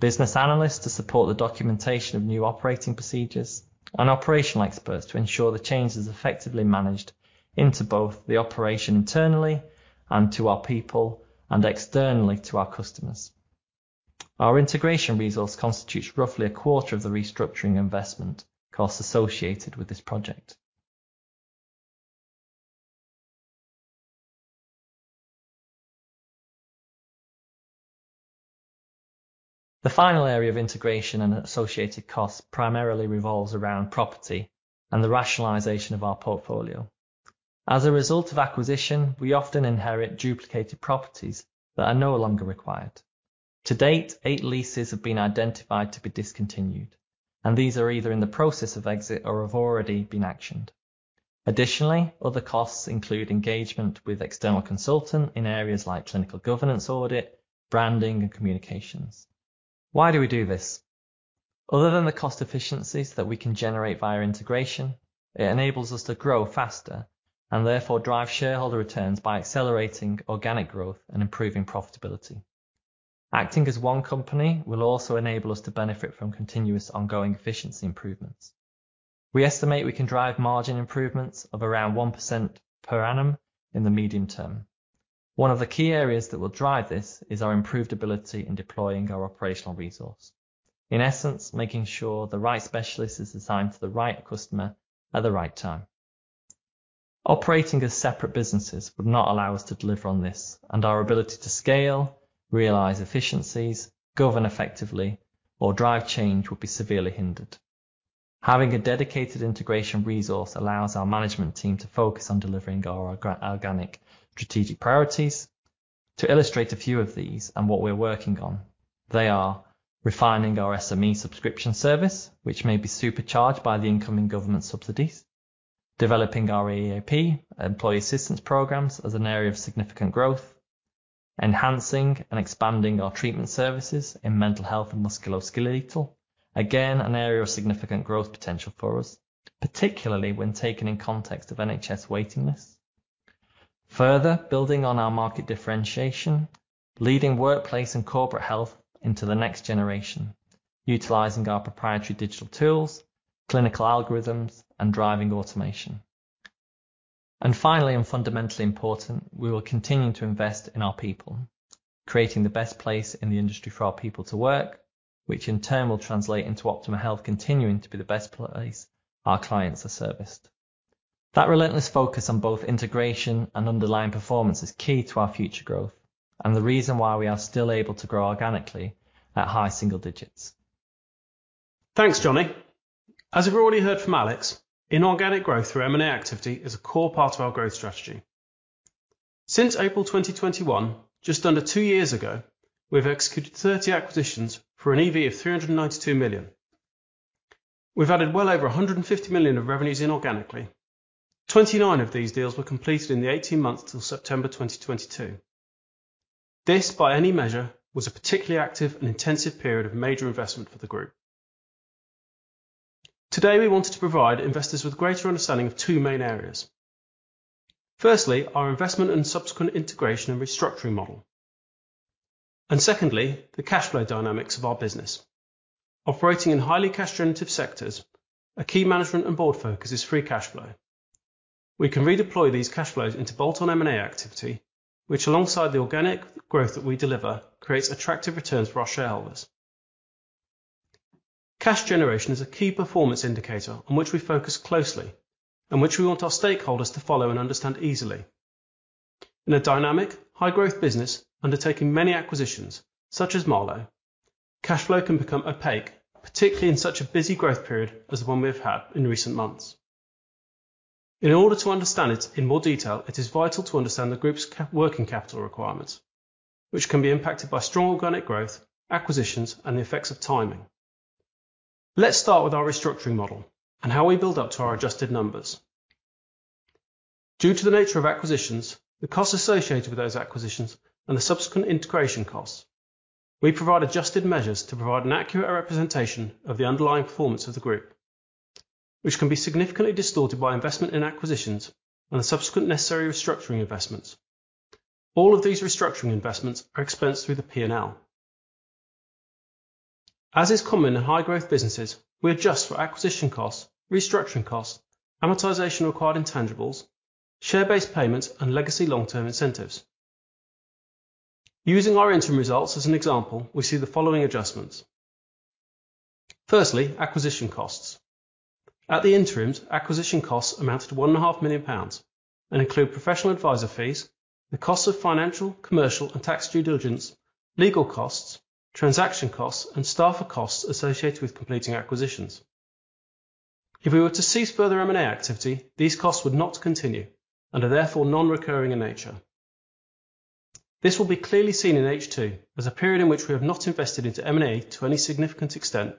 business analysts to support the documentation of new operating procedures, and operational experts to ensure the change is effectively managed into both the operation internally and to our people and externally to our customers. Our integration resource constitutes roughly a quarter of the restructuring investment costs associated with this project. The final area of integration and associated costs primarily revolves around property and the rationalization of our portfolio. As a result of acquisition, we often inherit duplicated properties that are no longer required. To date, eight leases have been identified to be discontinued, and these are either in the process of exit or have already been actioned. Additionally, other costs include engagement with external consultant in areas like clinical governance audit, branding, and communications. Why do we do this? Other than the cost efficiencies that we can generate via integration, it enables us to grow faster and therefore drive shareholder returns by accelerating organic growth and improving profitability. Acting as one company will also enable us to benefit from continuous ongoing efficiency improvements. We estimate we can drive margin improvements of around 1% per annum in the medium term. One of the key areas that will drive this is our improved ability in deploying our operational resource. In essence, making sure the right specialist is assigned to the right customer at the right time. Operating as separate businesses would not allow us to deliver on this, and our ability to scale, realize efficiencies, govern effectively, or drive change would be severely hindered. Having a dedicated integration resource allows our management team to focus on delivering our organic strategic priorities. To illustrate a few of these and what we're working on, they are refining our SME subscription service, which may be supercharged by the incoming government subsidies, developing our EAP, employee assistance programs, as an area of significant growth, enhancing and expanding our treatment services in mental health and musculoskeletal. Again, an area of significant growth potential for us, particularly when taken in context of NHS waiting lists. Further building on our market differentiation, leading workplace and corporate health into the next generation, utilizing our proprietary digital tools, clinical algorithms, and driving automation. Finally, and fundamentally important, we will continue to invest in our people, creating the best place in the industry for our people to work, which in turn will translate into Optima Health continuing to be the best place our clients are serviced. That relentless focus on both integration and underlying performance is key to our future growth and the reason why we are still able to grow organically at high single digits. Thanks, Johnny. As you've already heard from Alex, inorganic growth through M&A activity is a core part of our growth strategy. Since April 2021, just under two years ago, we've executed 30 acquisitions for an EV of 392 million. We've added well over 150 million of revenues inorganically. 29 of these deals were completed in the 18 months till September 2022. This, by any measure, was a particularly active and intensive period of major investment for the group. Today, we wanted to provide investors with greater understanding of two main areas. Firstly, our investment and subsequent integration and restructuring model. Secondly, the cash flow dynamics of our business. Operating in highly cash generative sectors, a key management and board focus is free cash flow. We can redeploy these cash flows into bolt-on M&A activity, which alongside the organic growth that we deliver creates attractive returns for our shareholders. Cash generation is a key performance indicator on which we focus closely and which we want our stakeholders to follow and understand easily. In a dynamic high growth business undertaking many acquisitions such as Marlowe, cash flow can become opaque, particularly in such a busy growth period as the one we have had in recent months. In order to understand it in more detail, it is vital to understand the group's working capital requirements, which can be impacted by strong organic growth, acquisitions, and the effects of timing. Let's start with our restructuring model and how we build up to our adjusted numbers. Due to the nature of acquisitions, the costs associated with those acquisitions, and the subsequent integration costs, we provide adjusted measures to provide an accurate representation of the underlying performance of the group, which can be significantly distorted by investment in acquisitions and the subsequent necessary restructuring investments. All of these restructuring investments are expensed through the P&L. As is common in high growth businesses, we adjust for acquisition costs, restructuring costs, amortization required in tangibles, share-based payments, and legacy long-term incentives. Using our interim results as an example, we see the following adjustments. Firstly, acquisition costs. At the interims, acquisition costs amount to 1.5 million pounds and include professional advisor fees, the cost of financial, commercial, and tax due diligence, legal costs, transaction costs, and staff costs associated with completing acquisitions. If we were to cease further M&A activity, these costs would not continue and are therefore non-recurring in nature. This will be clearly seen in H2 as a period in which we have not invested into M&A to any significant extent,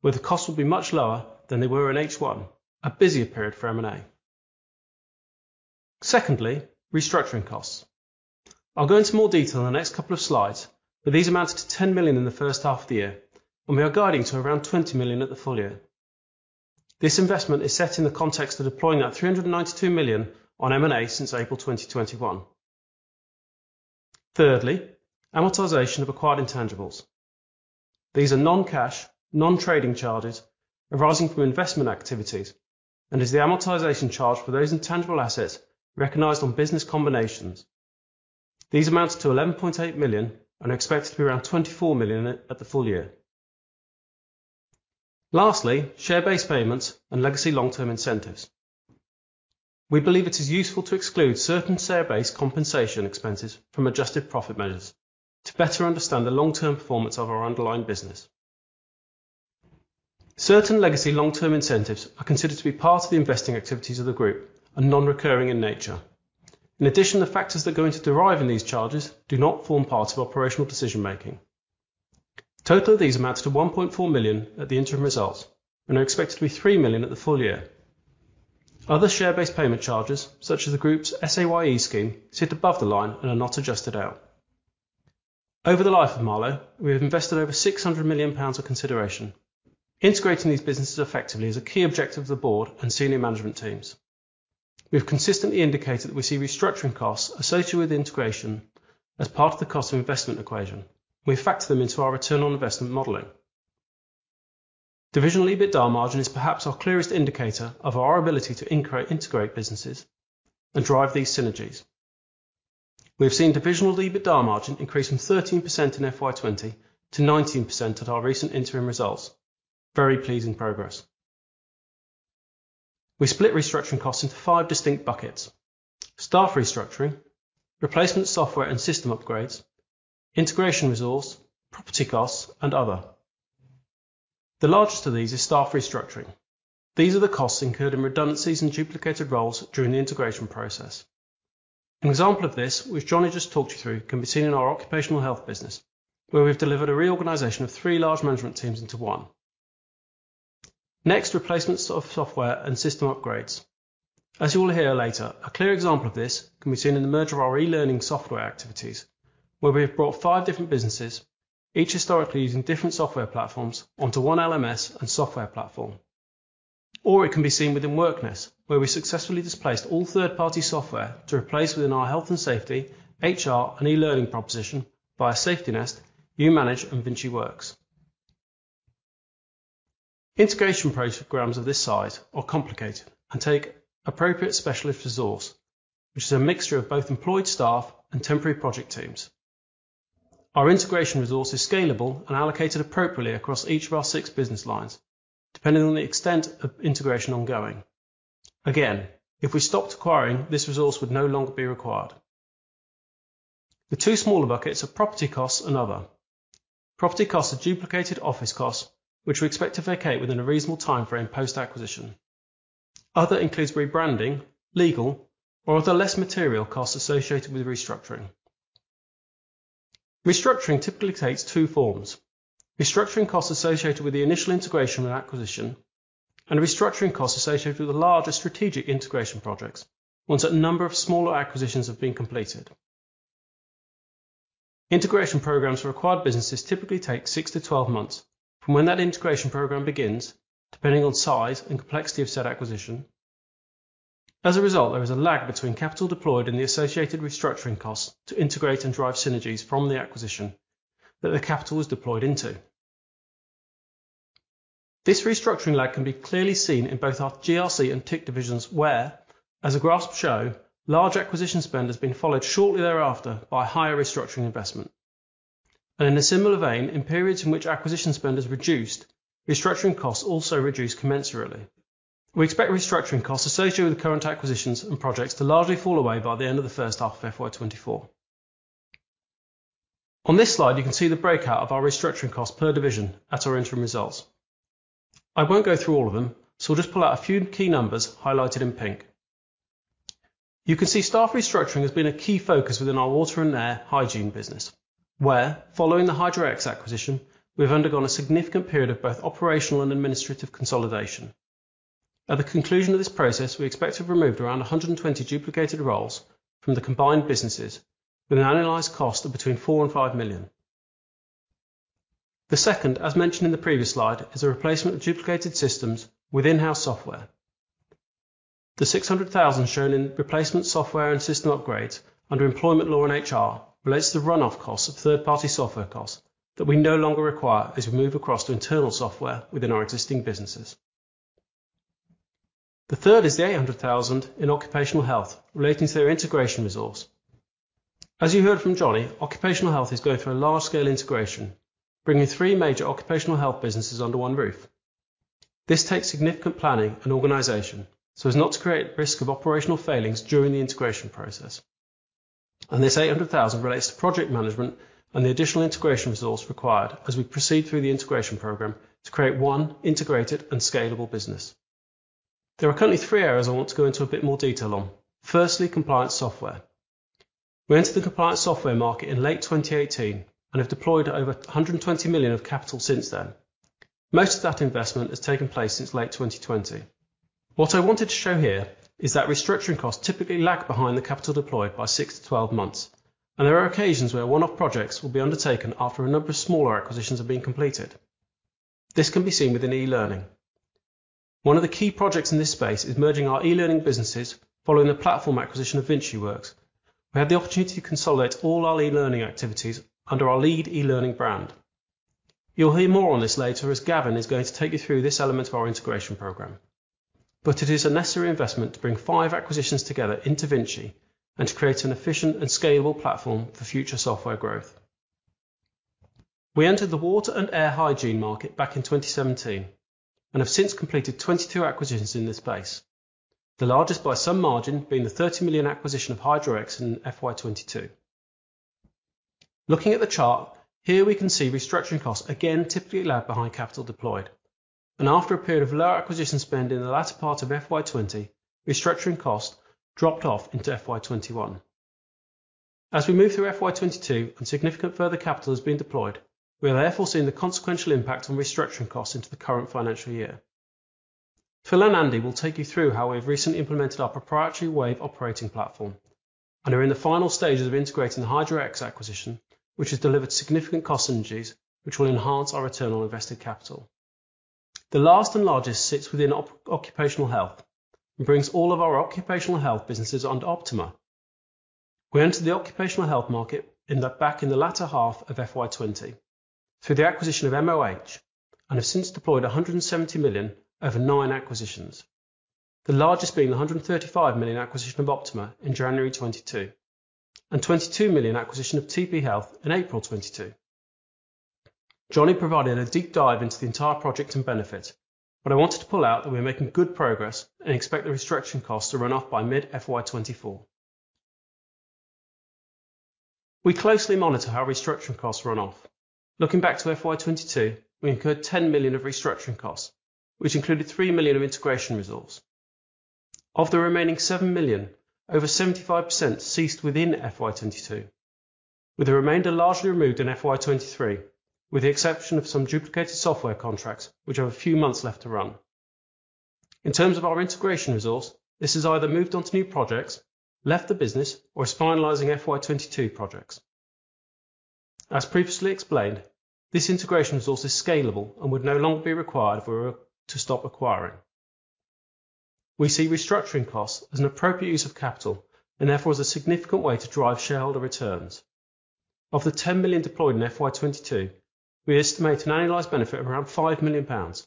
where the costs will be much lower than they were in H1, a busier period for M&A. Restructuring costs. I'll go into more detail in the next couple of slides, these amounted to 10 million in the first half of the year, and we are guiding to around 20 million at the full year. This investment is set in the context of deploying that 392 million on M&A since April 2021. Amortization of acquired intangibles. These are non-cash, non-trading charges arising from investment activities and is the amortization charge for those intangible assets recognized on business combinations. These amount to 11.8 million and are expected to be around 24 million at the full year. Share-based payments and legacy long-term incentives. We believe it is useful to exclude certain share-based compensation expenses from adjusted profit measures to better understand the long-term performance of our underlying business. Certain legacy long-term incentives are considered to be part of the investing activities of the group and non-recurring in nature. The factors that go in to derive in these charges do not form part of operational decision-making. Total of these amounts to 1.4 million at the interim results and are expected to be 3 million at the full year. Other share-based payment charges, such as the group's SAYE scheme, sit above the line and are not adjusted out. Over the life of Marlowe, we have invested over 600 million pounds of consideration. Integrating these businesses effectively is a key objective of the board and senior management teams. We've consistently indicated that we see restructuring costs associated with integration as part of the cost of investment equation. We factor them into our return on investment modeling. Divisional EBITDA margin is perhaps our clearest indicator of our ability to integrate businesses and drive these synergies. We have seen divisional EBITDA margin increase from 13% in FY 2020 to 19% at our recent interim results. Very pleasing progress. We split restructuring costs into five distinct buckets: staff restructuring, replacement software and system upgrades, integration resource, property costs, and other. The largest of these is staff restructuring. These are the costs incurred in redundancies and duplicated roles during the integration process. An example of this, which Johnny just talked you through, can be seen in our occupational health business, where we've delivered a reorganization of three large management teams into one. Replacements of software and system upgrades. As you will hear later, a clear example of this can be seen in the merger of our e-learning software activities, where we have brought five different businesses, each historically using different software platforms onto one LMS and software platform. It can be seen within WorkNest, where we successfully displaced all third-party software to replace within our health and safety HR and e-learning proposition via SafetyNest, New manage, and VinciWorks. Integration programs of this size are complicated and take appropriate specialist resource, which is a mixture of both employed staff and temporary project teams. Our integration resource is scalable and allocated appropriately across each of our six business lines, depending on the extent of integration ongoing. If we stopped acquiring, this resource would no longer be required. The two smaller buckets are property costs and other. Property costs are duplicated office costs, which we expect to vacate within a reasonable timeframe post-acquisition. Other includes rebranding, legal or other less material costs associated with restructuring. Restructuring typically takes two forms: restructuring costs associated with the initial integration with acquisition and restructuring costs associated with the larger strategic integration projects once a number of smaller acquisitions have been completed. Integration programs for acquired businesses typically take six to 12 months from when that integration program begins, depending on size and complexity of said acquisition. As a result, there is a lag between capital deployed and the associated restructuring costs to integrate and drive synergies from the acquisition that the capital was deployed into. This restructuring lag can be clearly seen in both our GRC and TIC divisions where, as the graphs show, large acquisition spend has been followed shortly thereafter by higher restructuring investment. In a similar vein, in periods in which acquisition spend is reduced, restructuring costs also reduce commensurately. We expect restructuring costs associated with the current acquisitions and projects to largely fall away by the end of the first half of FY 2024. On this slide, you can see the breakout of our restructuring costs per division at our interim results. I won't go through all of them. We'll just pull out a few key numbers highlighted in pink. You can see staff restructuring has been a key focus within our water and air hygiene business, where following the Hydro-X acquisition, we've undergone a significant period of both operational and administrative consolidation. At the conclusion of this process, we expect to have removed around 120 duplicated roles from the combined businesses with an annualized cost of between 4 million-5 million. The second, as mentioned in the previous slide, is a replacement of duplicated systems with in-house software. The 600,000 shown in replacement software and system upgrades under employment law and HR relates to the run-off costs of third-party software costs that we no longer require as we move across to internal software within our existing businesses. The third is the 800,000 in occupational health relating to their integration resource. As you heard from Johnny, occupational health is going through a large-scale integration, bringing three major occupational health businesses under one roof. This takes significant planning and organization so as not to create risk of operational failings during the integration process. This 800,000 relates to project management and the additional integration resource required as we proceed through the integration program to create one integrated and scalable business. There are currently three areas I want to go into a bit more detail on. Firstly, compliance software. We entered the compliance software market in late 2018 and have deployed over 120 million of capital since then. Most of that investment has taken place since late 2020. What I wanted to show here is that restructuring costs typically lag behind the capital deployed by six to 12 months. There are occasions where one-off projects will be undertaken after a number of smaller acquisitions have been completed. This can be seen within e-learning. One of the key projects in this space is merging our e-learning businesses following the platform acquisition of VinciWorks. We had the opportunity to consolidate all our e-learning activities under our lead e-learning brand. You'll hear more on this later as Gavin is going to take you through this element of our integration program. It is a necessary investment to bring five acquisitions together into Vinci and to create an efficient and scalable platform for future software growth. We entered the water and air hygiene market back in 2017 and have since completed 22 acquisitions in this space, the largest by some margin being the 30 million acquisition of Hydro-X in FY 2022. Looking at the chart, here we can see restructuring costs again typically lag behind capital deployed. After a period of lower acquisition spend in the latter part of FY 2020, restructuring costs dropped off into FY 2021. As we move through FY 2022 and significant further capital has been deployed, we are therefore seeing the consequential impact on restructuring costs into the current financial year. Phil and Andy will take you through how we've recently implemented our proprietary Wave operating platform and are in the final stages of integrating the Hydro-X acquisition, which has delivered significant cost synergies which will enhance our return on invested capital. The last and largest sits within occupational health and brings all of our occupational health businesses under Optima. We entered the occupational health market in the latter half of FY 2020 through the acquisition of MOH and have since deployed 170 million over nine acquisitions. The largest being the 135 million acquisition of Optima in January 2022 and 22 million acquisition of TP Health in April 2022. Johnny provided a deep dive into the entire project and benefit. I wanted to pull out that we're making good progress and expect the restructuring costs to run off by mid-FY 2024. We closely monitor how restructuring costs run off. Looking back to FY 2022, we incurred 10 million of restructuring costs, which included 3 million of integration resource. Of the remaining 7 million, over 75% ceased within FY 2022, with the remainder largely removed in FY 2023, with the exception of some duplicated software contracts which have a few months left to run. In terms of our integration resource, this has either moved on to new projects, left the business or is finalizing FY 2022 projects. As previously explained, this integration resource is scalable and would no longer be required if we were to stop acquiring. We see restructuring costs as an appropriate use of capital and therefore is a significant way to drive shareholder returns. Of the 10 million deployed in FY 2022, we estimate an annualized benefit of around 5 million pounds.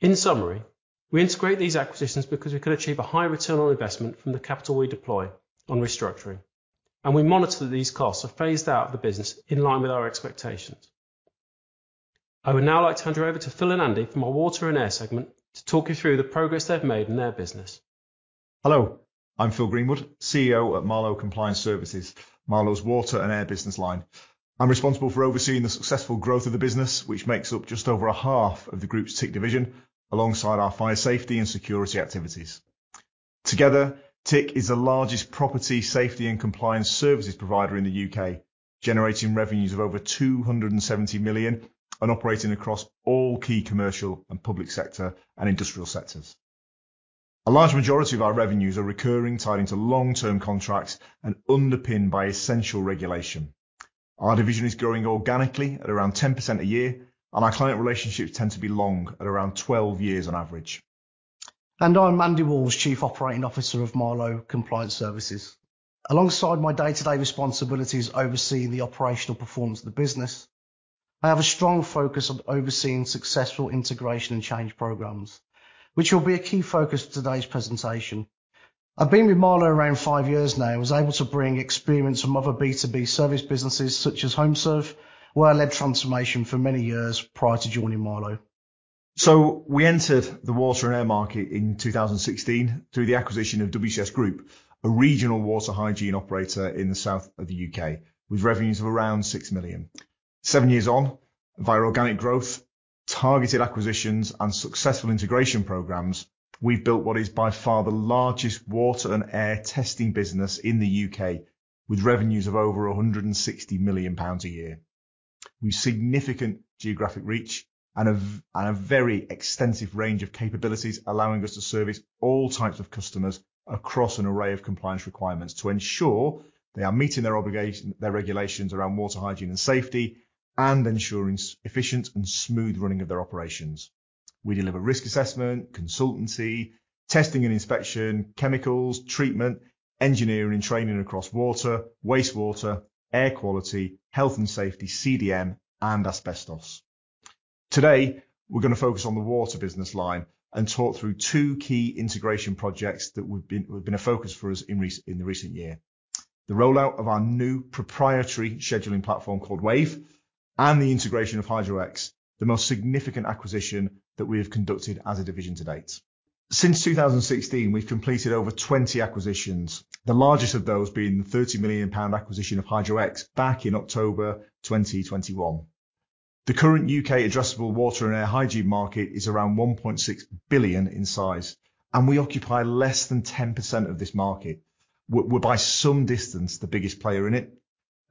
In summary, we integrate these acquisitions because we can achieve a high return on investment from the capital we deploy on restructuring. We monitor that these costs are phased out of the business in line with our expectations. I would now like to hand you over to Phil Greenwood and Andy Walls from our water and air segment to talk you through the progress they've made in their business. Hello, I'm Phil Greenwood, CEO at Marlowe Compliance Services, Marlowe's water and air business line. I'm responsible for overseeing the successful growth of the business, which makes up just over a half of the group's TIC division alongside our fire safety and security activities. Together, TIC is the largest property safety and compliance services provider in the U.K., generating revenues of over 270 million and operating across all key commercial and public sector and industrial sectors. A large majority of our revenues are recurring, tied into long-term contracts and underpinned by essential regulation. Our division is growing organically at around 10% a year, our client relationships tend to be long, at around 12 years on average. I'm Andy Walls, Chief Operating Officer of Marlowe Compliance Services. Alongside my day-to-day responsibilities overseeing the operational performance of the business, I have a strong focus on overseeing successful integration and change programs, which will be a key focus of today's presentation. I've been with Marlowe around five years now. I was able to bring experience from other B2B service businesses such as HomeServe, where I led transformation for many years prior to joining Marlowe. We entered the water and air market in 2016 through the acquisition of WCS Group, a regional water hygiene operator in the south of the U.K., with revenues of around 6 million. Seven years on, via organic growth, targeted acquisitions, and successful integration programs, we've built what is by far the largest water and air testing business in the U.K., with revenues of over 160 million pounds a year. We've significant geographic reach and a very extensive range of capabilities, allowing us to service all types of customers across an array of compliance requirements to ensure they are meeting their obligation, their regulations around water hygiene and safety, and ensuring efficient and smooth running of their operations. We deliver risk assessment, consultancy, testing and inspection, chemicals, treatment, engineering, training across water, wastewater, air quality, Health & Safety, CDM and asbestos. We're gonna focus on the water business line and talk through two key integration projects that've been a focus for us in the recent year. The rollout of our new proprietary scheduling platform called Wave and the integration of Hydro-X, the most significant acquisition that we have conducted as a division to date. Since 2016, we've completed over 20 acquisitions, the largest of those being the 30 million pound acquisition of Hydro-X back in October 2021. The current U.K. addressable water and air hygiene market is around 1.6 billion in size, we occupy less than 10% of this market. We're by some distance the biggest player in it.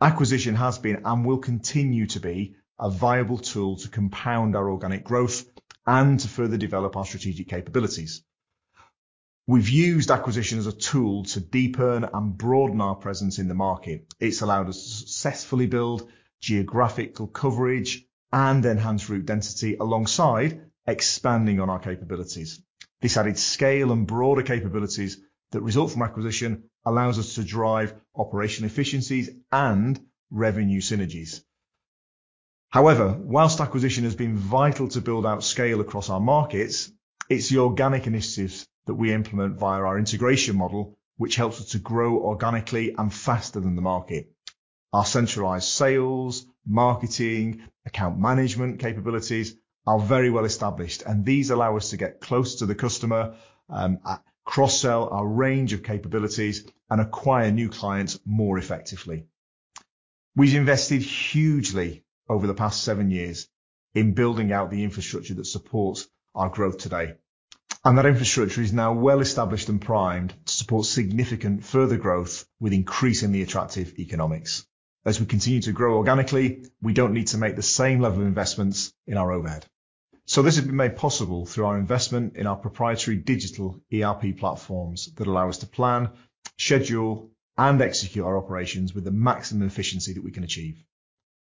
Acquisition has been and will continue to be a viable tool to compound our organic growth and to further develop our strategic capabilities. We've used acquisition as a tool to deepen and broaden our presence in the market. It's allowed us to successfully build geographical coverage and enhance route density alongside expanding on our capabilities. This added scale and broader capabilities that result from acquisition allows us to drive operation efficiencies and revenue synergies. However, whilst acquisition has been vital to build out scale across our markets, it's the organic initiatives that we implement via our integration model which helps us to grow organically and faster than the market. Our centralized sales, marketing, account management capabilities are very well established, and these allow us to get close to the customer, cross-sell our range of capabilities and acquire new clients more effectively. We've invested hugely over the past seven years in building out the infrastructure that supports our growth today, and that infrastructure is now well established and primed to support significant further growth with increasingly attractive economics. As we continue to grow organically, we don't need to make the same level of investments in our overhead. This has been made possible through our investment in our proprietary digital ERP platforms that allow us to plan, schedule, and execute our operations with the maximum efficiency that we can achieve.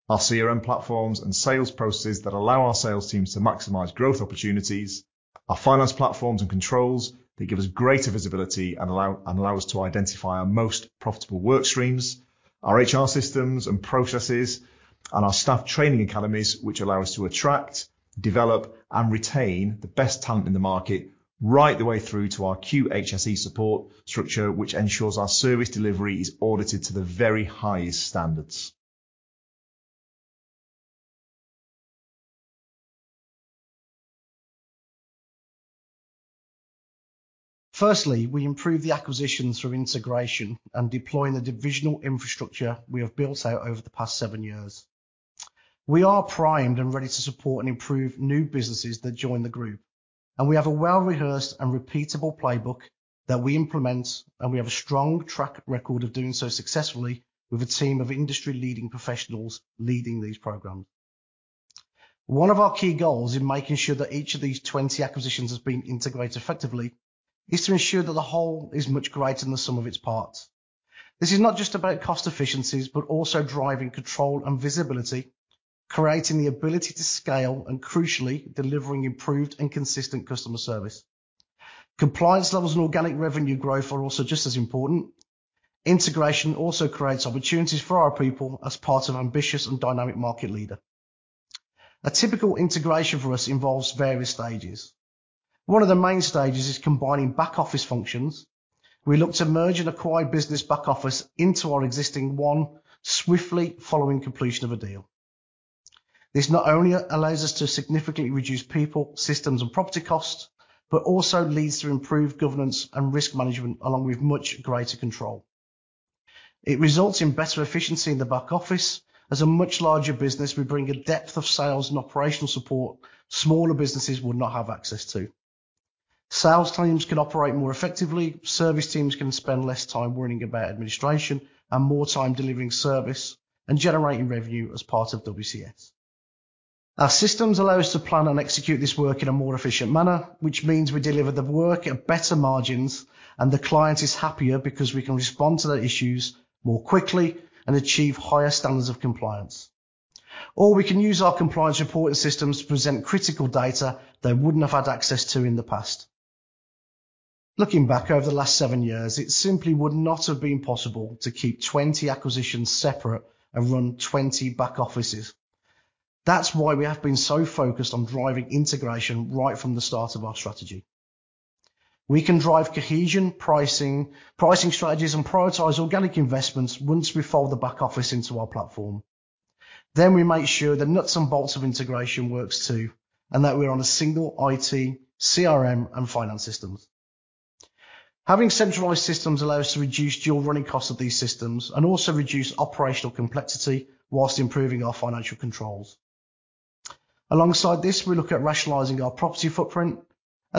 Our CRM platforms and sales processes that allow our sales teams to maximize growth opportunities, our finance platforms and controls that give us greater visibility and allow us to identify our most profitable work streams, our HR systems and processes, and our staff training academies, which allow us to attract, develop, and retain the best talent in the market right the way through to our QHSE support structure, which ensures our service delivery is audited to the very highest standards. We improve the acquisition through integration and deploying the divisional infrastructure we have built out over the past seven years. We are primed and ready to support and improve new businesses that join the group, and we have a well-rehearsed and repeatable playbook that we implement, and we have a strong track record of doing so successfully with a team of industry-leading professionals leading these programs. One of our key goals in making sure that each of these 20 acquisitions has been integrated effectively is to ensure that the whole is much greater than the sum of its parts. This is not just about cost efficiencies, but also driving control and visibility, creating the ability to scale, and crucially, delivering improved and consistent customer service. Compliance levels and organic revenue growth are also just as important. Integration also creates opportunities for our people as part of ambitious and dynamic market leader. A typical integration for us involves various stages. One of the main stages is combining back-office functions. We look to merge and acquire business back-office into our existing one swiftly following completion of a deal. This not only allows us to significantly reduce people, systems, and property costs, but also leads to improved governance and risk management along with much greater control. It results in better efficiency in the back office. As a much larger business, we bring a depth of sales and operational support smaller businesses would not have access to. Sales teams can operate more effectively. Service teams can spend less time worrying about administration and more time delivering service and generating revenue as part of WCS. Our systems allow us to plan and execute this work in a more efficient manner, which means we deliver the work at better margins. The client is happier because we can respond to their issues more quickly and achieve higher standards of compliance. We can use our compliance reporting systems to present critical data they wouldn't have had access to in the past. Looking back over the last seven years, it simply would not have been possible to keep 20 acquisitions separate and run 20 back offices. That's why we have been so focused on driving integration right from the start of our strategy. We can drive cohesion, pricing strategies, and prioritize organic investments once we fold the back office into our platform. We make sure the nuts and bolts of integration works too, and that we're on a single IT, CRM, and finance systems. Having centralized systems allow us to reduce dual running costs of these systems and also reduce operational complexity while improving our financial controls. Alongside this, we look at rationalizing our property footprint.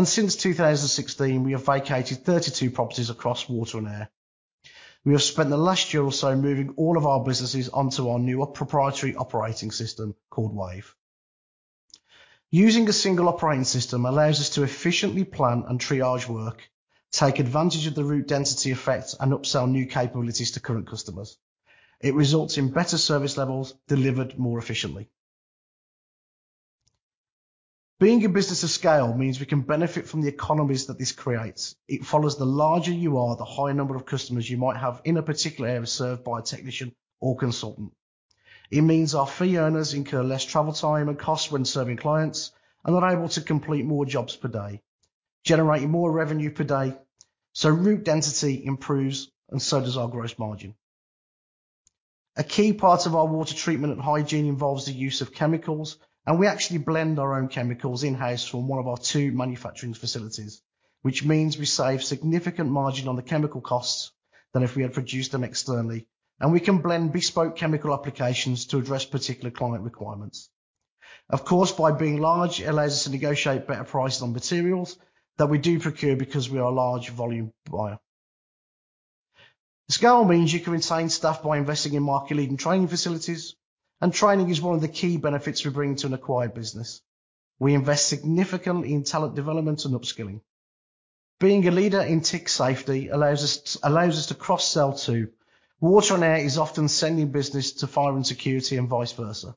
Since 2016, we have vacated 32 properties across water and air. We have spent the last year or so moving all of our businesses onto our new proprietary operating system called Wave. Using a single operating system allows us to efficiently plan and triage work, take advantage of the route density effects, and upsell new capabilities to current customers. It results in better service levels delivered more efficiently. Being a business of scale means we can benefit from the economies that this creates. It follows the larger you are, the higher number of customers you might have in a particular area served by a technician or consultant. It means our fee earners incur less travel time and costs when serving clients and are able to complete more jobs per day, generating more revenue per day. Route density improves and so does our gross margin. A key part of our water treatment and hygiene involves the use of chemicals. We actually blend our own chemicals in-house from one of our two manufacturing facilities, which means we save significant margin on the chemical costs than if we had produced them externally. We can blend bespoke chemical applications to address particular client requirements. Of course, by being large, it allows us to negotiate better prices on materials that we do procure because we are a large volume buyer. Scale means you can retain staff by investing in market-leading training facilities. Training is one of the key benefits we bring to an acquired business. We invest significantly in talent development and upskilling. Being a leader in TIC safety allows us to cross-sell too. Water and air is often sending business to fire and security and vice versa.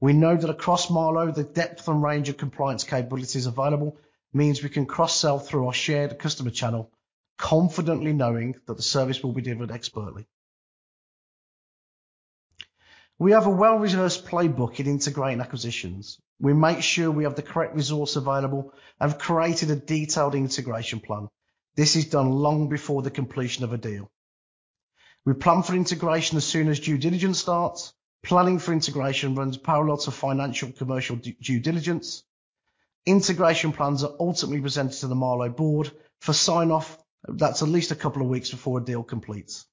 We know that across Marlowe, the depth and range of compliance capabilities available means we can cross-sell through our shared customer channel, confidently knowing that the service will be delivered expertly. We have a well-rehearsed playbook in integrating acquisitions. We make sure we have the correct resource available and have created a detailed integration plan. This is done long before the completion of a deal. We plan for integration as soon as due diligence starts. Planning for integration runs parallel to financial commercial due diligence. Integration plans are ultimately presented to the Marlowe board for sign-off. That's at least a couple of weeks before a deal completes.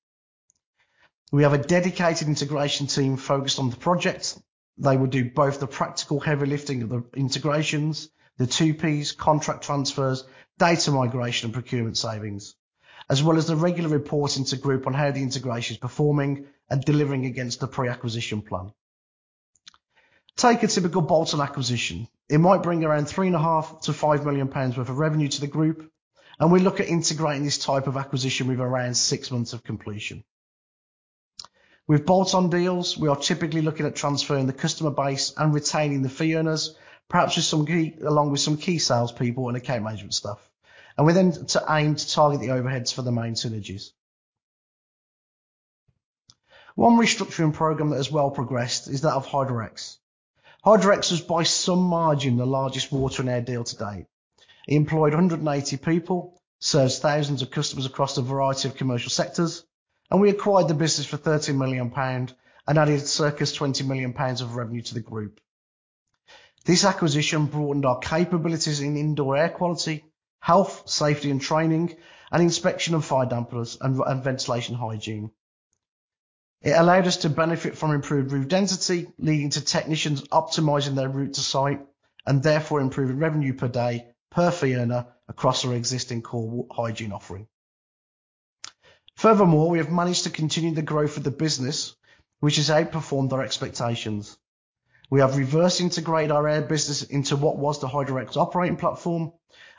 We have a dedicated integration team focused on the project. They will do both the practical heavy lifting of the integrations, the two Ps, contract transfers, data migration, and procurement savings, as well as the regular reporting to group on how the integration is performing and delivering against the pre-acquisition plan. Take a typical bolt-on acquisition. It might bring around 3.5 million-5 million pounds worth of revenue to the group, and we look at integrating this type of acquisition with around six months of completion. With bolt-on deals, we are typically looking at transferring the customer base and retaining the fee earners, along with some key salespeople and account management staff. We then to aim to target the overheads for the main synergies. One restructuring program that has well progressed is that of Hydro-X. Hydro-X was by some margin the largest water and air deal to date. It employed 180 people, serves thousands of customers across a variety of commercial sectors, and we acquired the business for 30 million pound and added circa 20 million pounds of revenue to the group. This acquisition broadened our capabilities in indoor air quality, health, safety, and training, and inspection of fire dampers and ventilation hygiene. It allowed us to benefit from improved route density, leading to technicians optimizing their route to site and therefore improving revenue per day per fee earner across our existing core hygiene offering. Furthermore, we have managed to continue the growth of the business, which has outperformed our expectations. We have reverse integrated our air business into what was the Hydro-X operating platform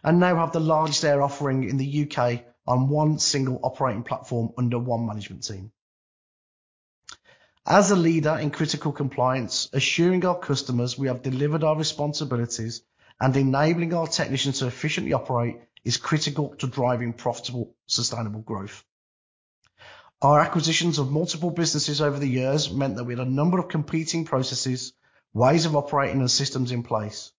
and now have the largest air offering in the U.K. on one single operating platform under one management team. As a leader in critical compliance, assuring our customers we have delivered our responsibilities and enabling our technicians to efficiently operate is critical to driving profitable, sustainable growth. Our acquisitions of multiple businesses over the years meant that we had a number of competing processes, ways of operating, and systems in place.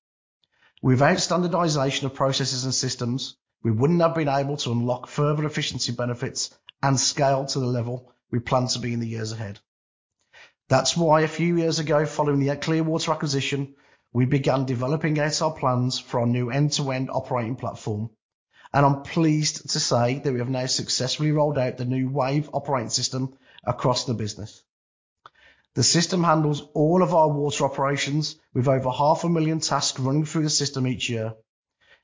Without standardization of processes and systems, we wouldn't have been able to unlock further efficiency benefits and scale to the level we plan to be in the years ahead. That's why a few years ago, following the Clearwater acquisition, we began developing out our plans for our new end-to-end operating platform, and I'm pleased to say that we have now successfully rolled out the new Wave operating system across the business. The system handles all of our water operations with over half a million tasks running through the system each year.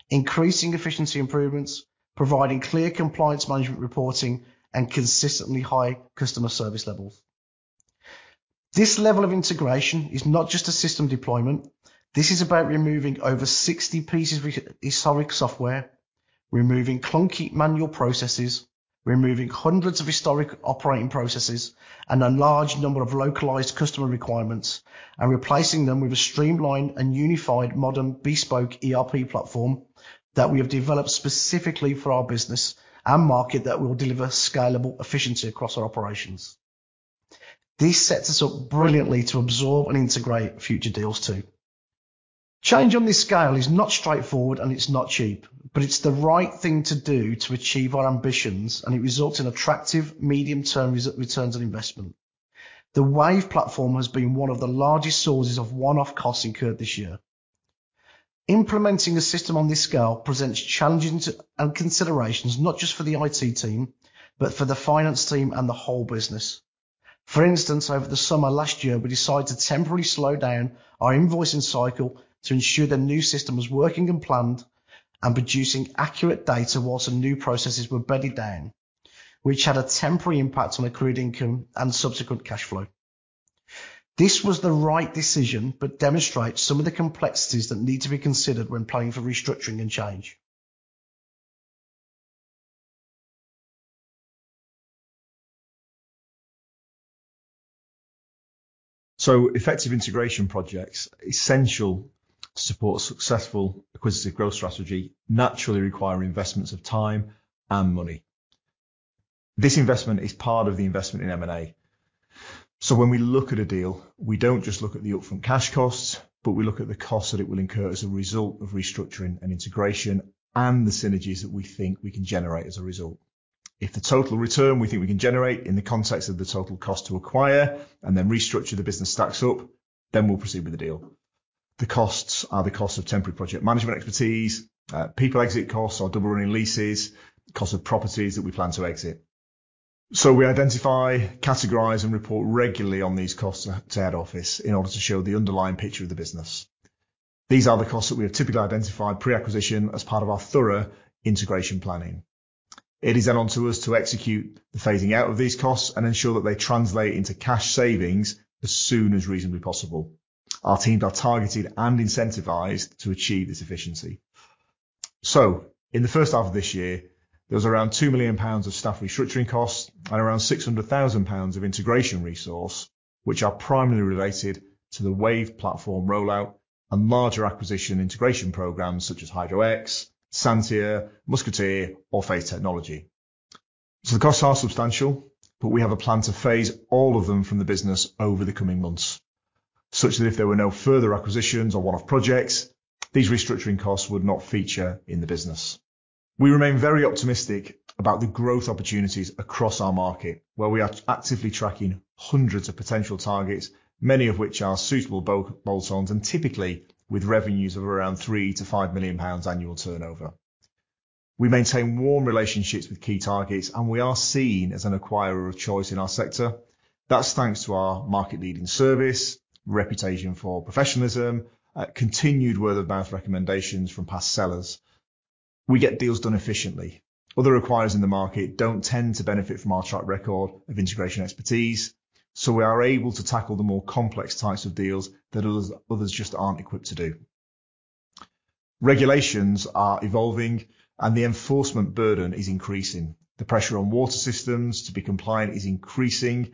Increasing efficiency improvements, providing clear compliance management reporting, and consistently high customer service levels. This level of integration is not just a system deployment. This is about removing over 60 pieces of historic software, removing clunky manual processes, removing hundreds of historic operating processes and a large number of localized customer requirements, and replacing them with a streamlined and unified modern bespoke ERP platform that we have developed specifically for our business and market that will deliver scalable efficiency across our operations. This sets us up brilliantly to absorb and integrate future deals too. Change on this scale is not straightforward and it's not cheap, but it's the right thing to do to achieve our ambitions, and it results in attractive medium-term returns on investment. The Wave platform has been one of the largest sources of one-off costs incurred this year. Implementing a system on this scale presents challenges and considerations not just for the IT team, but for the finance team and the whole business. For instance, over the summer last year, we decided to temporarily slow down our invoicing cycle to ensure the new system was working and planned and producing accurate data while some new processes were bedded down, which had a temporary impact on accrued income and subsequent cash flow. This was the right decision, but demonstrates some of the complexities that need to be considered when planning for restructuring and change. Effective integration projects essential to support successful acquisitive growth strategy naturally require investments of time and money. This investment is part of the investment in M&A. When we look at a deal, we don't just look at the upfront cash costs, but we look at the cost that it will incur as a result of restructuring and integration and the synergies that we think we can generate as a result. If the total return we think we can generate in the context of the total cost to acquire and then restructure the business stacks up, then we'll proceed with the deal. The costs are the cost of temporary project management expertise, people exit costs or double running leases, cost of properties that we plan to exit. We identify, categorize, and report regularly on these costs to head office in order to show the underlying picture of the business. These are the costs that we have typically identified pre-acquisition as part of our thorough integration planning. It is then on to us to execute the phasing out of these costs and ensure that they translate into cash savings as soon as reasonably possible. Our teams are targeted and incentivized to achieve this efficiency. In the first half of this year, there was around 2 million pounds of staff restructuring costs and around 600,000 pounds of integration resource, which are primarily related to the Wave platform rollout and larger acquisition integration programs such as Hydro-X, Santia, Musketeer or Phase Technology. The costs are substantial, but we have a plan to phase all of them from the business over the coming months, such that if there were no further acquisitions or one-off projects, these restructuring costs would not feature in the business. We remain very optimistic about the growth opportunities across our market, where we are actively tracking hundreds of potential targets, many of which are suitable bolt-ons and typically with revenues of around 3 million-5 million pounds annual turnover. We maintain warm relationships with key targets, and we are seen as an acquirer of choice in our sector. That's thanks to our market-leading service, reputation for professionalism, continued word-of-mouth recommendations from past sellers. We get deals done efficiently. Other acquirers in the market don't tend to benefit from our track record of integration expertise. We are able to tackle the more complex types of deals that others just aren't equipped to do. Regulations are evolving. The enforcement burden is increasing. The pressure on water systems to be compliant is increasing.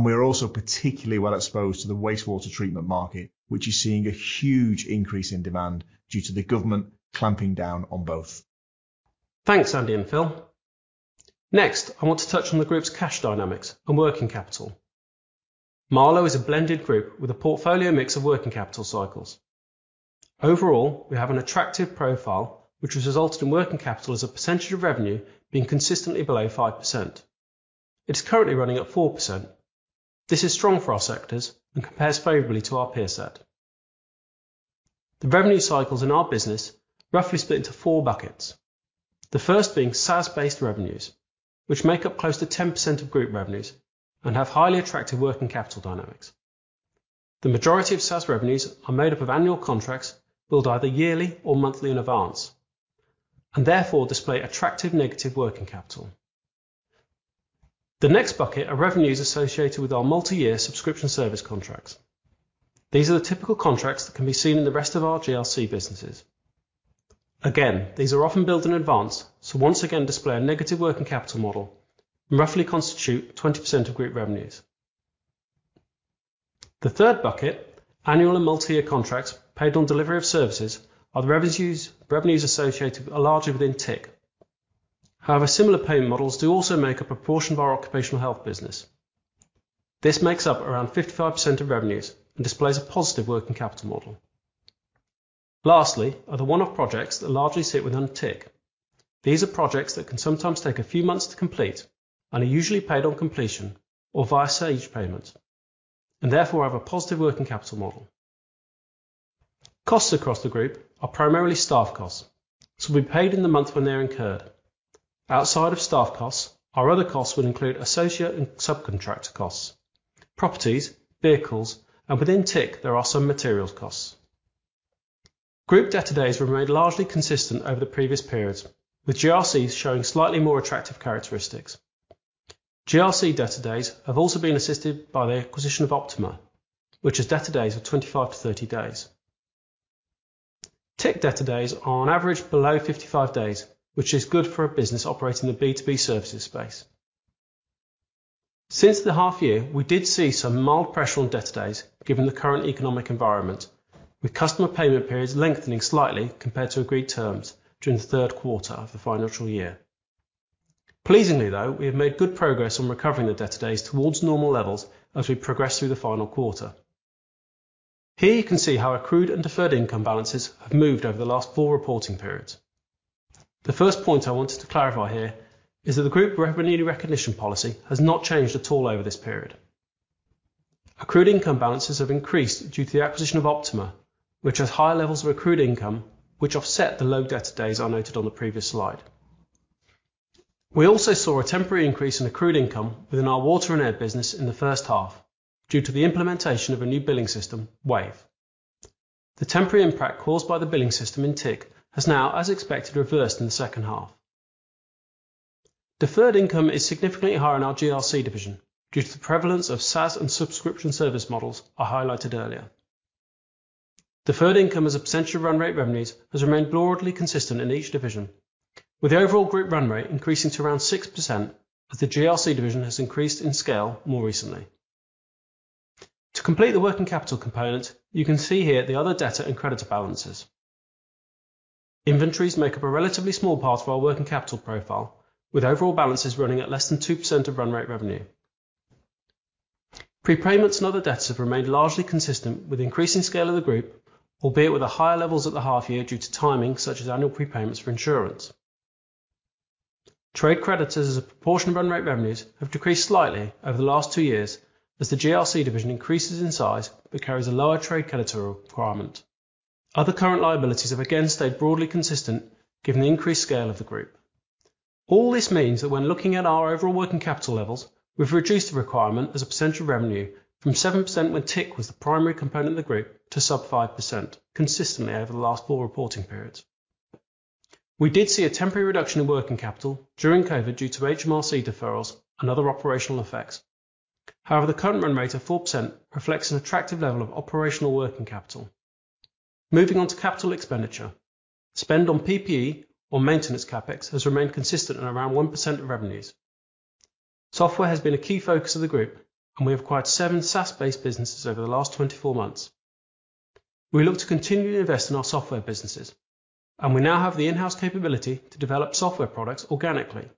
We are also particularly well exposed to the wastewater treatment market, which is seeing a huge increase in demand due to the government clamping down on both. Thanks, Andy and Phil. Next, I want to touch on the group's cash dynamics and working capital. Marlowe is a blended group with a portfolio mix of working capital cycles. Overall, we have an attractive profile which has resulted in working capital as a percentage of revenue being consistently below 5%. It is currently running at 4%. This is strong for our sectors and compares favorably to our peer set. The revenue cycles in our business roughly split into four buckets. The first being SaaS-based revenues, which make up close to 10% of group revenues and have highly attractive working capital dynamics. The majority of SaaS revenues are made up of annual contracts billed either yearly or monthly in advance, and therefore display attractive negative working capital. The next bucket are revenues associated with our multi-year subscription service contracts. These are the typical contracts that can be seen in the rest of our GRC businesses. Again, these are often built in advance, so once again display a negative working capital model and roughly constitute 20% of group revenues. The third bucket, annual and multi-year contracts paid on delivery of services are the revenues associated are larger within TIC. However, similar payment models do also make a proportion of our occupational health business. This makes up around 55% of revenues and displays a positive working capital model. Lastly are the one-off projects that largely sit within TIC. These are projects that can sometimes take a few months to complete and are usually paid on completion or via SAYE payment, and therefore have a positive working capital model. Costs across the group are primarily staff costs. We paid in the month when they're incurred. Outside of staff costs, our other costs would include associate and subcontractor costs, properties, vehicles, and within TIC, there are some materials costs. Group debtor days remained largely consistent over the previous periods, with GRC showing slightly more attractive characteristics. GRC debtor days have also been assisted by the acquisition of Optima, which has debtor days of 25-30 days. TIC debtor days are on average below 55 days, which is good for a business operating in the B2B services space. Since the half year, we did see some mild pressure on debtor days given the current economic environment, with customer payment periods lengthening slightly compared to agreed terms during the third quarter of the financial year. Pleasingly, though, we have made good progress on recovering the debtor days towards normal levels as we progress through the final quarter. Here you can see how accrued and deferred income balances have moved over the last four reporting periods. The first point I wanted to clarify here is that the group revenue recognition policy has not changed at all over this period. Accrued income balances have increased due to the acquisition of Optima, which has higher levels of accrued income which offset the low debtor days I noted on the previous slide. We also saw a temporary increase in accrued income within our water and air business in the first half due to the implementation of a new billing system, Wave. The temporary impact caused by the billing system in TIC has now, as expected, reversed in the second half. Deferred income is significantly higher in our GRC division due to the prevalence of SaaS and subscription service models I highlighted earlier. Deferred income as a potential run rate revenues has remained broadly consistent in each division, with the overall group run rate increasing to around 6% as the GRC division has increased in scale more recently. To complete the working capital component, you can see here the other debtor and creditor balances. Inventories make up a relatively small part of our working capital profile, with overall balances running at less than 2% of run rate revenue. Prepayments and other debts have remained largely consistent with increasing scale of the group, albeit with the higher levels at the half year due to timing such as annual prepayments for insurance. Trade creditors as a proportion of run rate revenues have decreased slightly over the last two years as the GRC division increases in size but carries a lower trade creditor requirement. Other current liabilities have again stayed broadly consistent given the increased scale of the group. This means that when looking at our overall working capital levels, we've reduced the requirement as a potential revenue from 7% when TIC was the primary component of the group to sub 5% consistently over the last four reporting periods. We did see a temporary reduction in working capital during COVID due to HMRC deferrals and other operational effects. The current run rate of 4% reflects an attractive level of operational working capital. Moving on to capital expenditure. Spend on PPE or maintenance CapEx has remained consistent at around 1% of revenues. Software has been a key focus of the group, and we acquired seven SaaS-based businesses over the last 24 months. We look to continue to invest in our software businesses, and we now have the in-house capability to develop software products organically.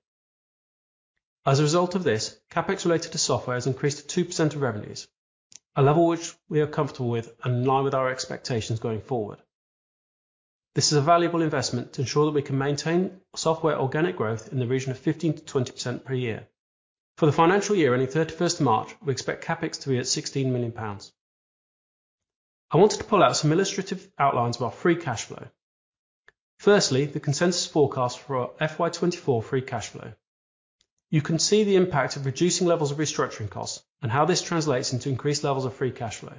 As a result of this, CapEx related to software has increased to 2% of revenues, a level which we are comfortable with and in line with our expectations going forward. This is a valuable investment to ensure that we can maintain software organic growth in the region of 15%-20% per year. For the financial year ending 31st March, we expect CapEx to be at 16 million pounds. I wanted to pull out some illustrative outlines of our free cash flow. Firstly, the consensus forecast for our FY 2024 free cash flow. You can see the impact of reducing levels of restructuring costs and how this translates into increased levels of free cash flow.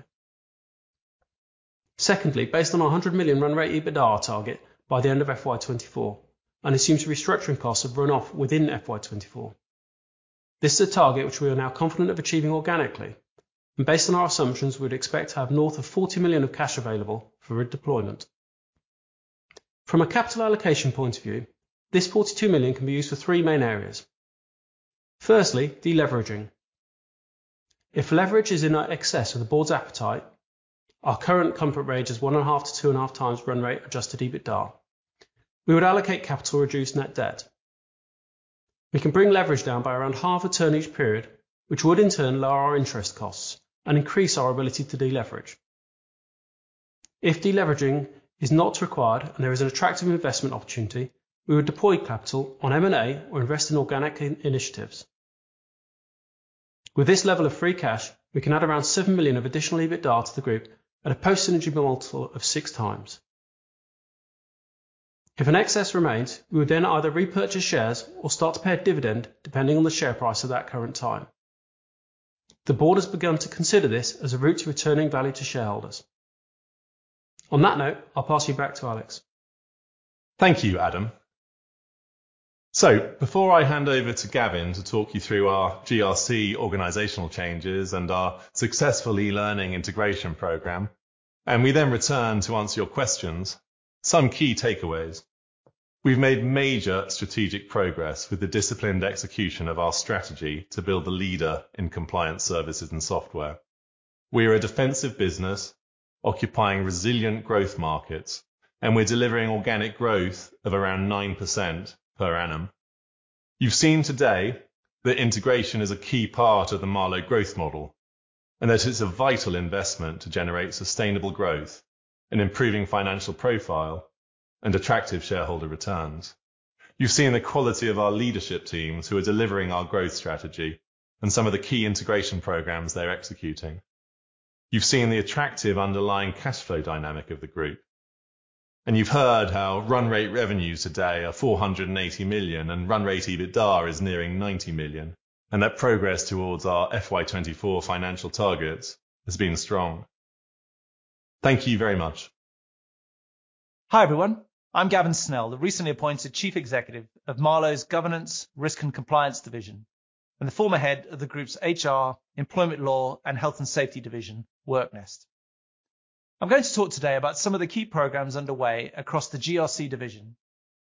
Secondly, based on our 100 million run rate EBITDA target by the end of FY 2024 and assumes the restructuring costs have run off within FY 2024. This is a target which we are now confident of achieving organically. Based on our assumptions, we'd expect to have north of 40 million of cash available for deployment. From a capital allocation point of view, this 42 million can be used for three main areas. Firstly, deleveraging. If leverage is in excess of the board's appetite, our current comfort range is 1.5x-2.5x run rate adjusted EBITDA. We would allocate capital reduced net debt. We can bring leverage down by around half a turn each period, which would in turn lower our interest costs and increase our ability to deleverage. If deleveraging is not required and there is an attractive investment opportunity, we would deploy capital on M&A or invest in organic initiatives. With this level of free cash, we can add around 7 million of additional EBITDA to the group at a post-synergy multiple of 6x. If an excess remains, we would then either repurchase shares or start to pay a dividend depending on the share price at that current time. The board has begun to consider this as a route to returning value to shareholders. On that note, I'll pass you back to Alex. Thank you, Adam. Before I hand over to Gavin to talk you through our GRC organizational changes and our successful e-learning integration program, and we then return to answer your questions, some key takeaways. We've made major strategic progress with the disciplined execution of our strategy to build the leader in compliance services and software. We are a defensive business occupying resilient growth markets, and we're delivering organic growth of around 9% per annum. You've seen today that integration is a key part of the Marlowe growth model and that it's a vital investment to generate sustainable growth, an improving financial profile, and attractive shareholder returns. You've seen the quality of our leadership teams who are delivering our growth strategy and some of the key integration programs they're executing. You've seen the attractive underlying cash flow dynamic of the group, and you've heard how run rate revenues today are 480 million and run rate EBITDA is nearing 90 million. That progress towards our FY 2024 financial targets has been strong. Thank you very much. Hi, everyone. I'm Gavin Snell, the recently appointed Chief Executive of Marlowe's Governance, Risk and Compliance division, and the former head of the group's HR, Employment Law, and Health and Safety division, WorkNest. I'm going to talk today about some of the key programs underway across the GRC division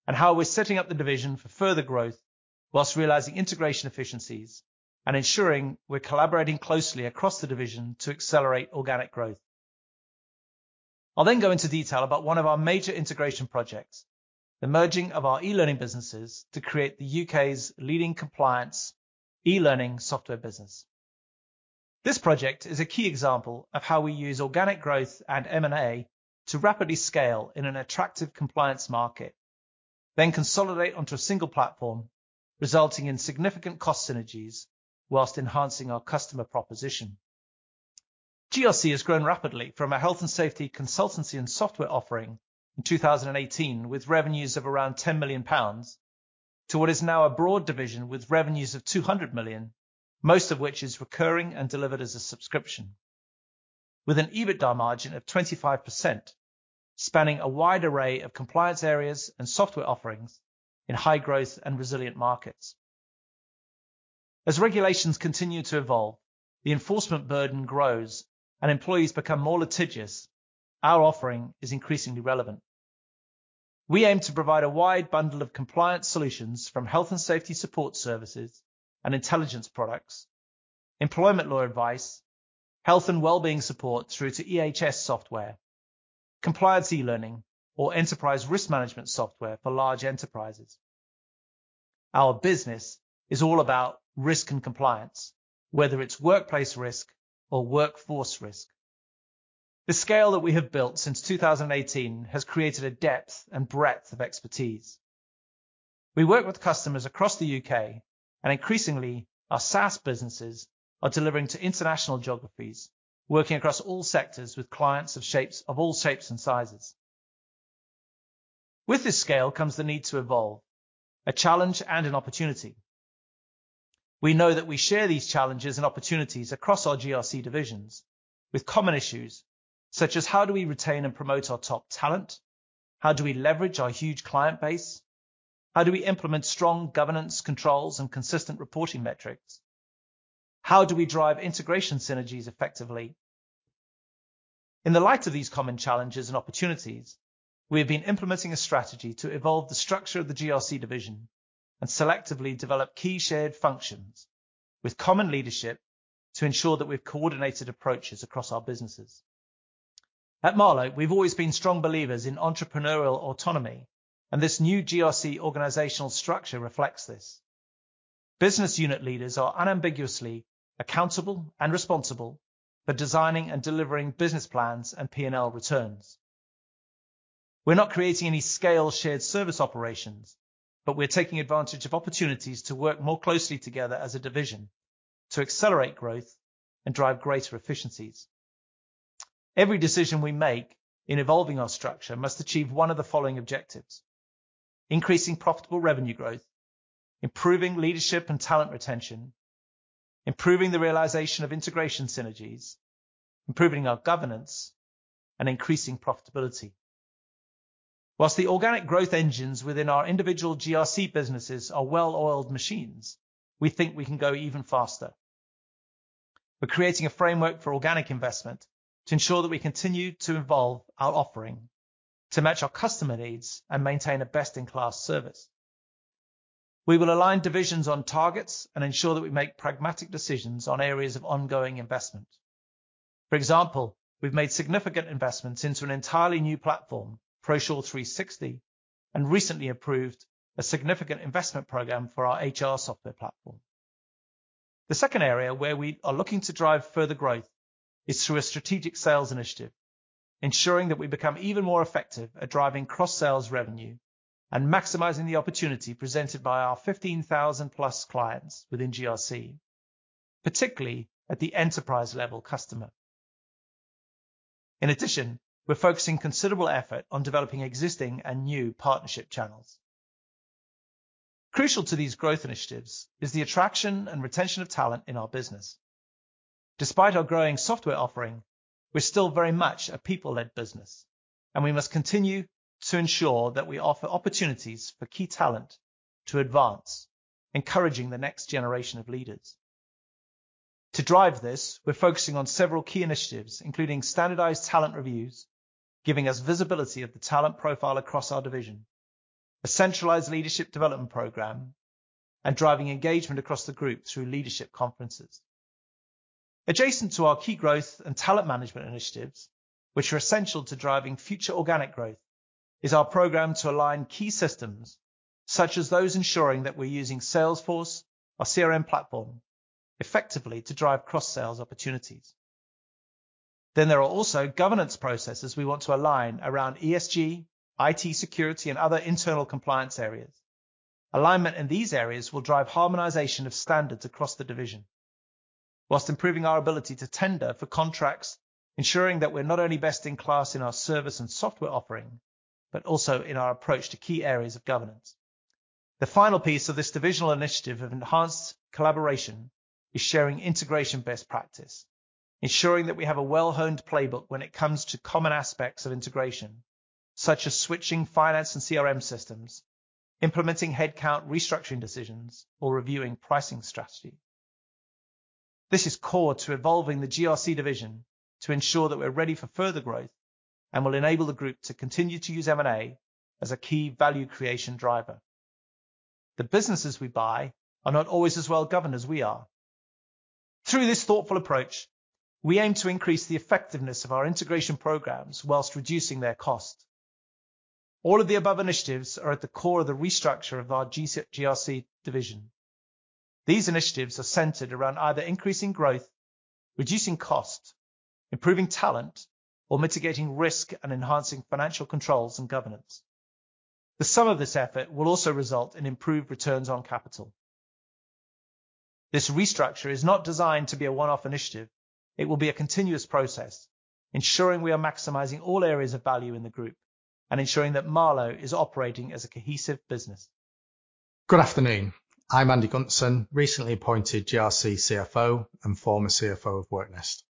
and how we're setting up the division for further growth whilst realizing integration efficiencies and ensuring we're collaborating closely across the division to accelerate organic growth. I'll go into detail about one of our major integration projects, the merging of our e-learning businesses to create the U.K.'s leading compliance e-learning software business. This project is a key example of how we use organic growth and M&A to rapidly scale in an attractive compliance market, then consolidate onto a single platform, resulting in significant cost synergies whilst enhancing our customer proposition. GRC has grown rapidly from a health and safety consultancy and software offering in 2018, with revenues of around 10 million pounds, to what is now a broad division with revenues of 200 million, most of which is recurring and delivered as a subscription. With an EBITDA margin of 25% spanning a wide array of compliance areas and software offerings in high growth and resilient markets. As regulations continue to evolve, the enforcement burden grows and employees become more litigious, our offering is increasingly relevant. We aim to provide a wide bundle of compliance solutions from health and safety support services and intelligence products, employment law advice, health and wellbeing support through to EHS software, compliance e-learning or enterprise risk management software for large enterprises. Our business is all about risk and compliance, whether it's workplace risk or workforce risk. The scale that we have built since 2018 has created a depth and breadth of expertise. Increasingly our SaaS businesses are delivering to international geographies, working across all sectors with clients of all shapes and sizes. With this scale comes the need to evolve, a challenge and an opportunity. We know that we share these challenges and opportunities across our GRC divisions with common issues, such as how do we retain and promote our top talent? How do we leverage our huge client base? How do we implement strong governance controls and consistent reporting metrics? How do we drive integration synergies effectively? In the light of these common challenges and opportunities, we have been implementing a strategy to evolve the structure of the GRC division and selectively develop key shared functions with common leadership to ensure that we have coordinated approaches across our businesses. At Marlowe, we've always been strong believers in entrepreneurial autonomy, this new GRC organizational structure reflects this. Business unit leaders are unambiguously accountable and responsible for designing and delivering business plans and P&L returns. We're not creating any scale shared service operations, we're taking advantage of opportunities to work more closely together as a division to accelerate growth and drive greater efficiencies. Every decision we make in evolving our structure must achieve one of the following objectives: increasing profitable revenue growth, improving leadership and talent retention, improving the realization of integration synergies, improving our governance, and increasing profitability. Whilst the organic growth engines within our individual GRC businesses are well-oiled machines, we think we can go even faster. We're creating a framework for organic investment to ensure that we continue to evolve our offering to match our customer needs and maintain a best-in-class service. We will align divisions on targets and ensure that we make pragmatic decisions on areas of ongoing investment. For example, we've made significant investments into an entirely new platform, Prosure360, and recently approved a significant investment program for our HR software platform. The second area where we are looking to drive further growth is through a strategic sales initiative, ensuring that we become even more effective at driving cross-sales revenue and maximizing the opportunity presented by our 15,000+ clients within GRC, particularly at the enterprise-level customer. In addition, we're focusing considerable effort on developing existing and new partnership channels. Crucial to these growth initiatives is the attraction and retention of talent in our business. Despite our growing software offering, we're still very much a people-led business, and we must continue to ensure that we offer opportunities for key talent to advance, encouraging the next generation of leaders. To drive this, we're focusing on several key initiatives, including standardized talent reviews, giving us visibility of the talent profile across our division, a centralized leadership development program, and driving engagement across the group through leadership conferences. Adjacent to our key growth and talent management initiatives, which are essential to driving future organic growth, is our program to align key systems such as those ensuring that we're using Salesforce, our CRM platform, effectively to drive cross-sales opportunities. There are also governance processes we want to align around ESG, IT security, and other internal compliance areas. Alignment in these areas will drive harmonization of standards across the division while improving our ability to tender for contracts, ensuring that we're not only best-in-class in our service and software offering, but also in our approach to key areas of governance. The final piece of this divisional initiative of enhanced collaboration is sharing integration best practice, ensuring that we have a well-honed playbook when it comes to common aspects of integration, such as switching finance and CRM systems, implementing headcount restructuring decisions, or reviewing pricing strategy. This is core to evolving the GRC division to ensure that we're ready for further growth and will enable the group to continue to use M&A as a key value creation driver. The businesses we buy are not always as well-governed as we are. Through this thoughtful approach, we aim to increase the effectiveness of our integration programs whilst reducing their cost. All of the above initiatives are at the core of the restructure of our GRC division. These initiatives are centered around either increasing growth, reducing cost, improving talent, or mitigating risk and enhancing financial controls and governance. The sum of this effort will also result in improved returns on capital. This restructure is not designed to be a one-off initiative. It will be a continuous process, ensuring we are maximizing all areas of value in the group and ensuring that Marlowe is operating as a cohesive business. Good afternoon. I'm Andy Gunson, recently appointed GRC CFO and former CFO of WorkNest.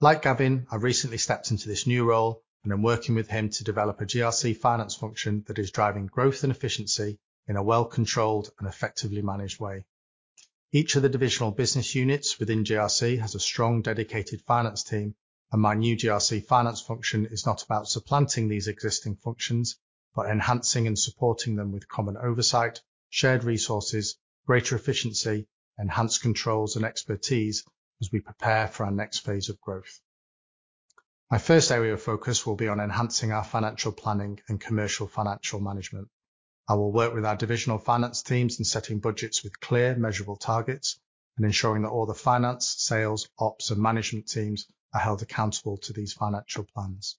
Like Gavin, I've recently stepped into this new role. I'm working with him to develop a GRC finance function that is driving growth and efficiency in a well-controlled and effectively managed way. Each of the divisional business units within GRC has a strong, dedicated finance team. My new GRC finance function is not about supplanting these existing functions, but enhancing and supporting them with common oversight, shared resources, greater efficiency, enhanced controls, and expertise as we prepare for our next phase of growth. My first area of focus will be on enhancing our financial planning and commercial financial management. I will work with our divisional finance teams in setting budgets with clear, measurable targets and ensuring that all the finance, sales, ops, and management teams are held accountable to these financial plans.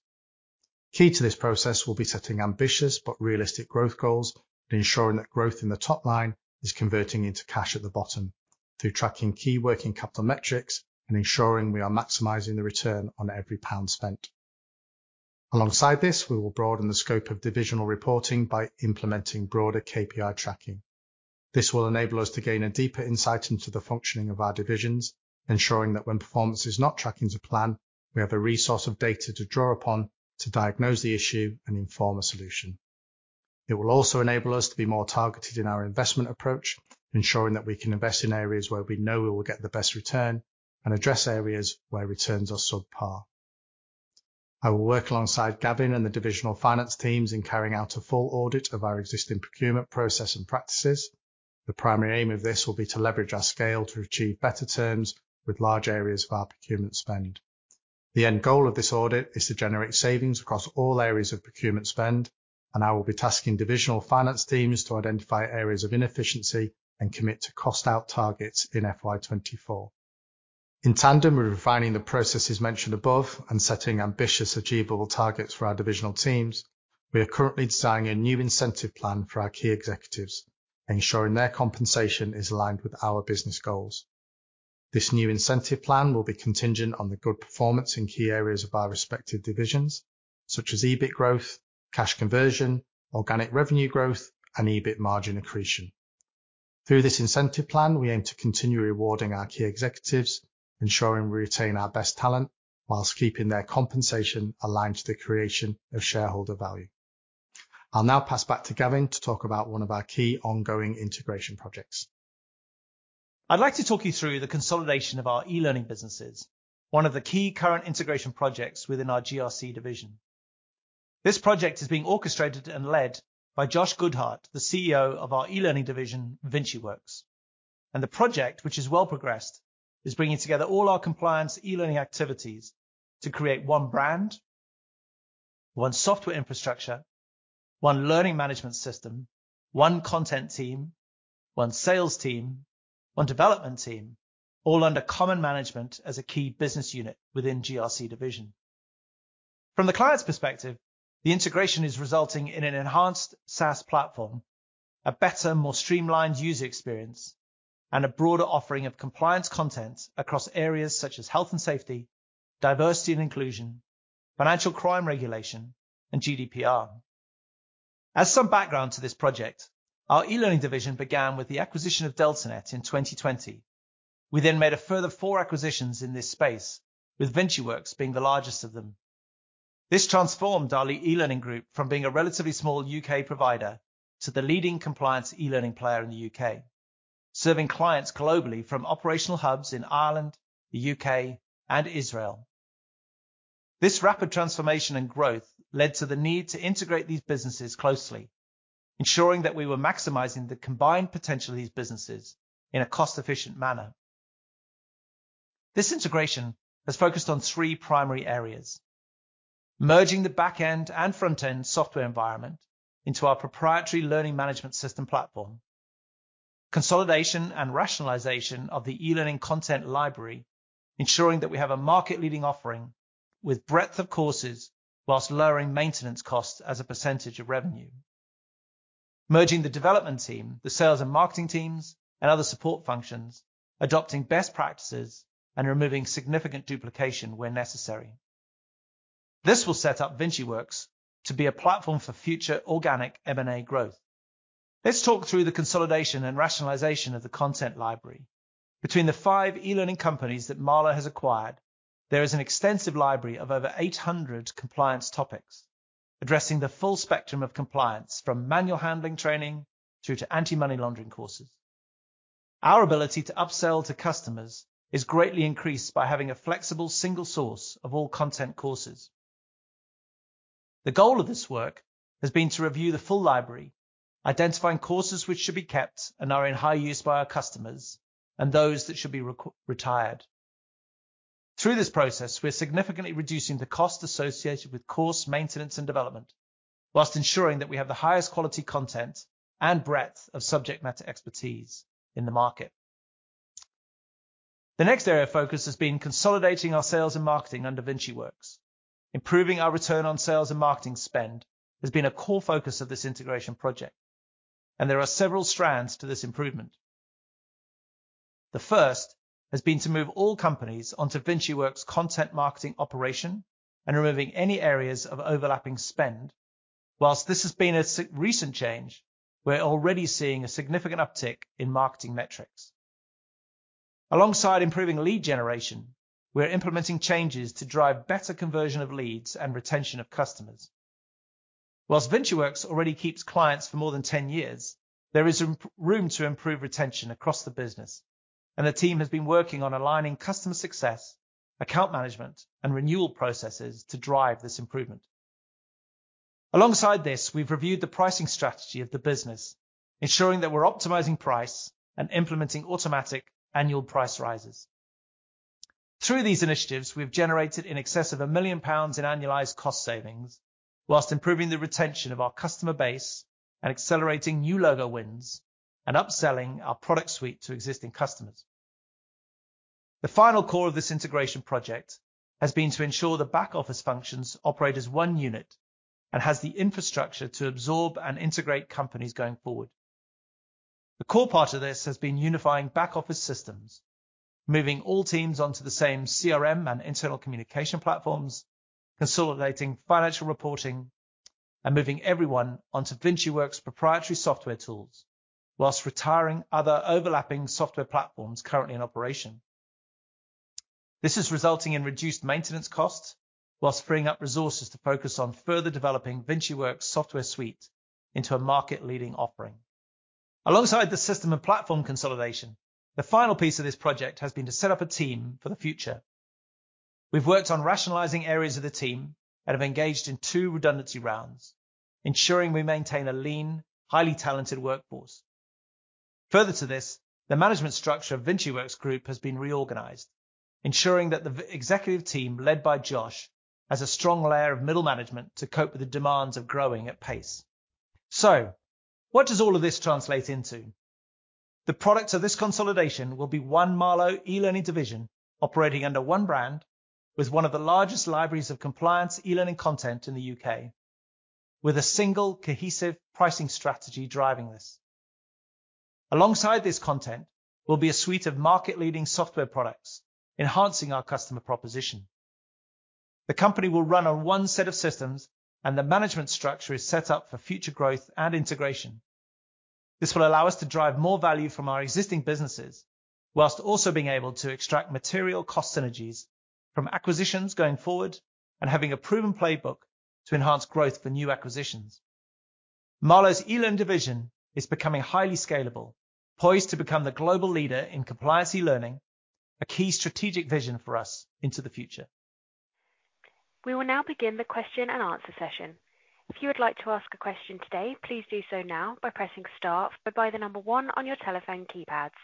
Key to this process will be setting ambitious but realistic growth goals and ensuring that growth in the top line is converting into cash at the bottom through tracking key working capital metrics and ensuring we are maximizing the return on every pound spent. Alongside this, we will broaden the scope of divisional reporting by implementing broader KPI tracking. This will enable us to gain a deeper insight into the functioning of our divisions, ensuring that when performance is not tracking to plan, we have a resource of data to draw upon to diagnose the issue and inform a solution. It will also enable us to be more targeted in our investment approach, ensuring that we can invest in areas where we know we will get the best return and address areas where returns are subpar. I will work alongside Gavin and the divisional finance teams in carrying out a full audit of our existing procurement process and practices. The primary aim of this will be to leverage our scale to achieve better terms with large areas of our procurement spend. The end goal of this audit is to generate savings across all areas of procurement spend, and I will be tasking divisional finance teams to identify areas of inefficiency and commit to cost-out targets in FY 2024. In tandem with refining the processes mentioned above and setting ambitious, achievable targets for our divisional teams, we are currently designing a new incentive plan for our key executives, ensuring their compensation is aligned with our business goals. This new incentive plan will be contingent on the good performance in key areas of our respective divisions, such as EBIT growth, cash conversion, organic revenue growth, and EBIT margin accretion. Through this incentive plan, we aim to continue rewarding our key executives, ensuring we retain our best talent whilst keeping their compensation aligned to the creation of shareholder value. I will now pass back to Gavin to talk about one of our key ongoing integration projects. I'd like to talk you through the consolidation of our e-learning businesses, one of the key current integration projects within our GRC division. This project is being orchestrated and led by Josh Goodhart, the CEO of our e-learning division, VinciWorks. The project, which is well progressed, is bringing together all our compliance e-learning activities to create one brand, one software infrastructure, one learning management system, one content team, one sales team, one development team, all under common management as a key business unit within GRC division. From the client's perspective, the integration is resulting in an enhanced SaaS platform, a better, more streamlined user experience, and a broader offering of compliance content across areas such as health and safety, diversity and inclusion, financial crime regulation, and GDPR. As some background to this project, our e-learning division began with the acquisition of DeltaNet in 2020. We made a further four acquisitions in this space, with VinciWorks being the largest of them. This transformed our e-learning group from being a relatively small U.K. provider to the leading compliance e-learning player in the U.K., serving clients globally from operational hubs in Ireland, the U.K., and Israel. This rapid transformation and growth led to the need to integrate these businesses closely, ensuring that we were maximizing the combined potential of these businesses in a cost-efficient manner. This integration has focused on three primary areas. Merging the back-end and front-end software environment into our proprietary learning management system platform. Consolidation and rationalization of the e-learning content library, ensuring that we have a market-leading offering with breadth of courses whilst lowering maintenance costs as a percentage of revenue. Merging the development team, the sales and marketing teams, and other support functions, adopting best practices and removing significant duplication where necessary. This will set up VinciWorks to be a platform for future organic M&A growth. Let's talk through the consolidation and rationalization of the content library. Between the five e-learning companies that Marlowe has acquired, there is an extensive library of over 800 compliance topics addressing the full spectrum of compliance, from manual handling training through to anti-money laundering courses. Our ability to upsell to customers is greatly increased by having a flexible single source of all content courses. The goal of this work has been to review the full library, identifying courses which should be kept and are in high use by our customers and those that should be re-retired. Through this process, we are significantly reducing the cost associated with course maintenance and development, while ensuring that we have the highest quality content and breadth of subject matter expertise in the market. The next area of focus has been consolidating our sales and marketing under VinciWorks. Improving our return on sales and marketing spend has been a core focus of this integration project. There are several strands to this improvement. The first has been to move all companies onto VinciWorks content marketing operation and removing any areas of overlapping spend. This has been a recent change, we're already seeing a significant uptick in marketing metrics. Alongside improving lead generation, we're implementing changes to drive better conversion of leads and retention of customers. VinciWorks already keeps clients for more than 10 years, there is room to improve retention across the business, and the team has been working on aligning customer success, account management, and renewal processes to drive this improvement. Alongside this, we've reviewed the pricing strategy of the business, ensuring that we're optimizing price and implementing automatic annual price rises. Through these initiatives, we've generated in excess of 1 million pounds in annualized cost savings, while improving the retention of our customer base and accelerating new logo wins and upselling our product suite to existing customers. The final core of this integration project has been to ensure the back office functions operate as one unit and has the infrastructure to absorb and integrate companies going forward. The core part of this has been unifying back office systems, moving all teams onto the same CRM and internal communication platforms, consolidating financial reporting, and moving everyone onto VinciWorks proprietary software tools, while retiring other overlapping software platforms currently in operation. This is resulting in reduced maintenance costs while freeing up resources to focus on further developing VinciWorks software suite into a market-leading offering. Alongside the system and platform consolidation, the final piece of this project has been to set up a team for the future. We've worked on rationalizing areas of the team and have engaged in two redundancy rounds, ensuring we maintain a lean, highly talented workforce. Further to this, the management structure of VinciWorks Group has been reorganized, ensuring that the v-executive team, led by Josh, has a strong layer of middle management to cope with the demands of growing at pace. What does all of this translate into? The product of this consolidation will be one Marlowe e-learning division operating under one brand with one of the largest libraries of compliance e-learning content in the U.K. with a single cohesive pricing strategy driving this. Alongside this content will be a suite of market-leading software products enhancing our customer proposition. The company will run on one set of systems, the management structure is set up for future growth and integration. This will allow us to drive more value from our existing businesses while also being able to extract material cost synergies from acquisitions going forward and having a proven playbook to enhance growth for new acquisitions. Marlowe's e-learning division is becoming highly scalable, poised to become the global leader in compliance e-learning, a key strategic vision for us into the future. We will now begin the question and answer session. If you would like to ask a question today, please do so now by pressing star or by the number one on your telephone keypads.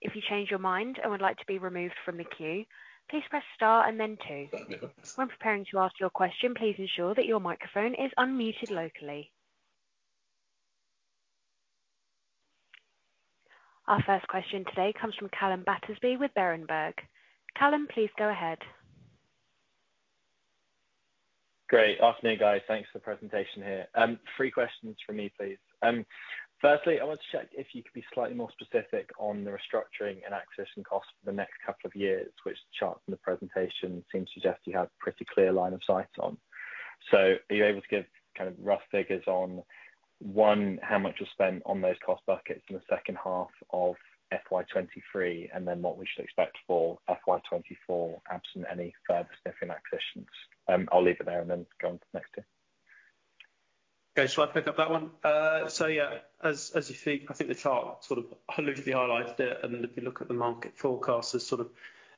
If you change your mind and would like to be removed from the queue, please press star and then two. When preparing to ask your question, please ensure that your microphone is unmuted locally. Our first question today comes from Calum Battersby with Berenberg. Calum, please go ahead. Great. Afternoon, guys. Thanks for the presentation here. Three questions from me, please. Firstly, I wanted to check if you could be slightly more specific on the restructuring and acquisition costs for the next couple of years, which the chart from the presentation seems to suggest you have pretty clear line of sight on. Are you able to give kind of rough figures on, one, how much was spent on those cost buckets in the second half of FY 2023, and then what we should expect for FY 2024, absent any further significant acquisitions? I'll leave it there and then go on to the next two. Okay. Shall I pick up that one? Yeah, as you see, I think the chart sort of loosely highlighted it, and if you look at the market forecast, there's sort of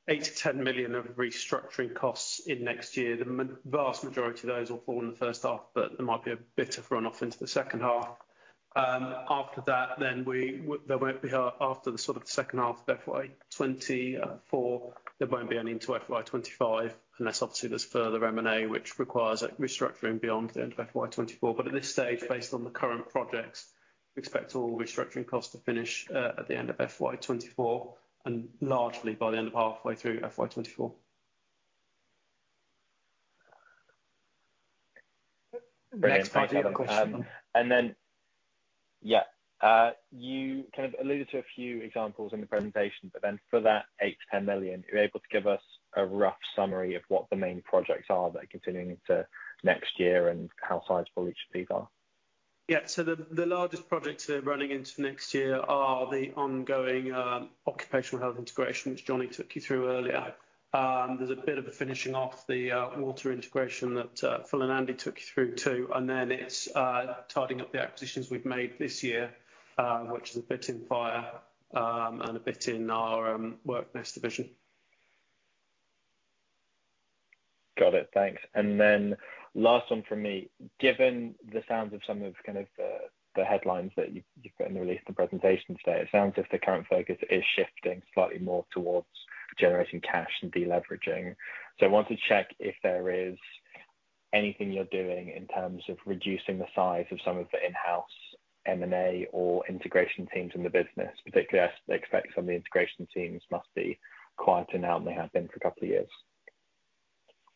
8 million-10 million of restructuring costs in next year. The vast majority of those will fall in the first half, there might be a bit of run off into the second half. After that, there won't be, after the sort of the second half of FY 2024, there won't be any into FY 2025, unless obviously there's further M&A which requires a restructuring beyond the end of FY 2024. At this stage, based on the current projects, we expect all restructuring costs to finish at the end of FY 2024 and largely by the end of halfway through FY 2024. Next question. You kind of alluded to a few examples in the presentation, but then for that 8 million-10 million, are you able to give us a rough summary of what the main projects are that are continuing into next year and how sizable each of these are? The largest projects that are running into next year are the ongoing occupational health integration, which Johnny took you through earlier. There's a bit of a finishing off the water integration that Phil and Andy took you through too. Then it's tidying up the acquisitions we've made this year, which is a bit in Fire, and a bit in our WorkNest division. Got it. Thanks. Last one from me. Given the sounds of some of kind of the headlines that you've put in the release and presentation today, it sounds as if the current focus is shifting slightly more towards generating cash and deleveraging. I wanted to check if there is anything you're doing in terms of reducing the size of some of the in-house M&A or integration teams in the business, particularly as I expect some of the integration teams must be quieter now than they have been for a couple of years.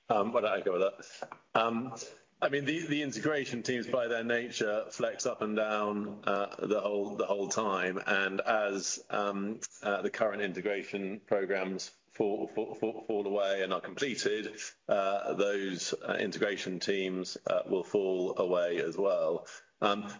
Why don't I go with that? I mean, the integration teams by their nature flex up and down the whole time. As the current integration programs fall away and are completed, those integration teams will fall away as well.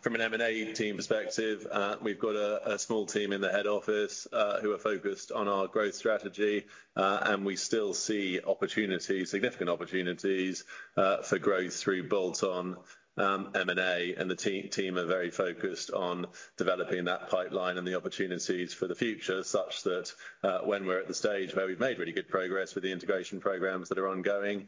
From an M&A team perspective, we've got a small team in the head office who are focused on our growth strategy, and we still see opportunities, significant opportunities for growth through bolt-on M&A. The team are very focused on developing that pipeline and the opportunities for the future, such that, when we're at the stage where we've made really good progress with the integration programs that are ongoing,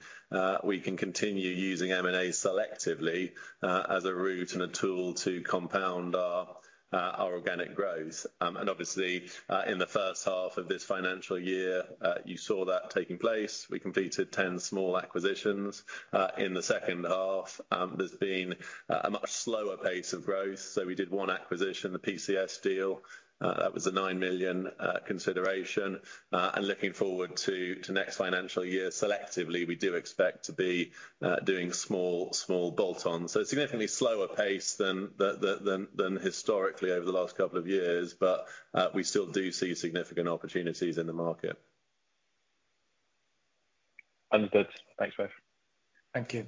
we can continue using M&A selectively, as a route and a tool to compound our organic growth. Obviously, in the first half of this financial year, you saw that taking place. We completed 10 small acquisitions. In the second half, there's been a much slower pace of growth, so we did one acquisition, the PCS deal, that was a 9 million consideration. Looking forward to next financial year, selectively, we do expect to be doing small bolt-ons. Significantly slower pace than the, than historically over the last couple of years, but, we still do see significant opportunities in the market. Understood. Thanks, both. Thank you.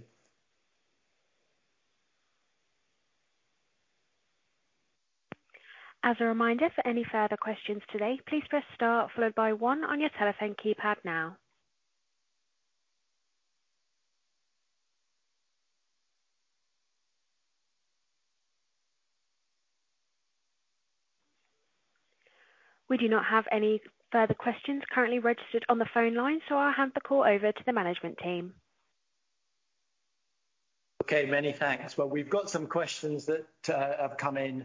As a reminder, for any further questions today, please press star followed by one on your telephone keypad now. I'll hand the call over to the management team. Okay. Many thanks. Well, we've got some questions that have come in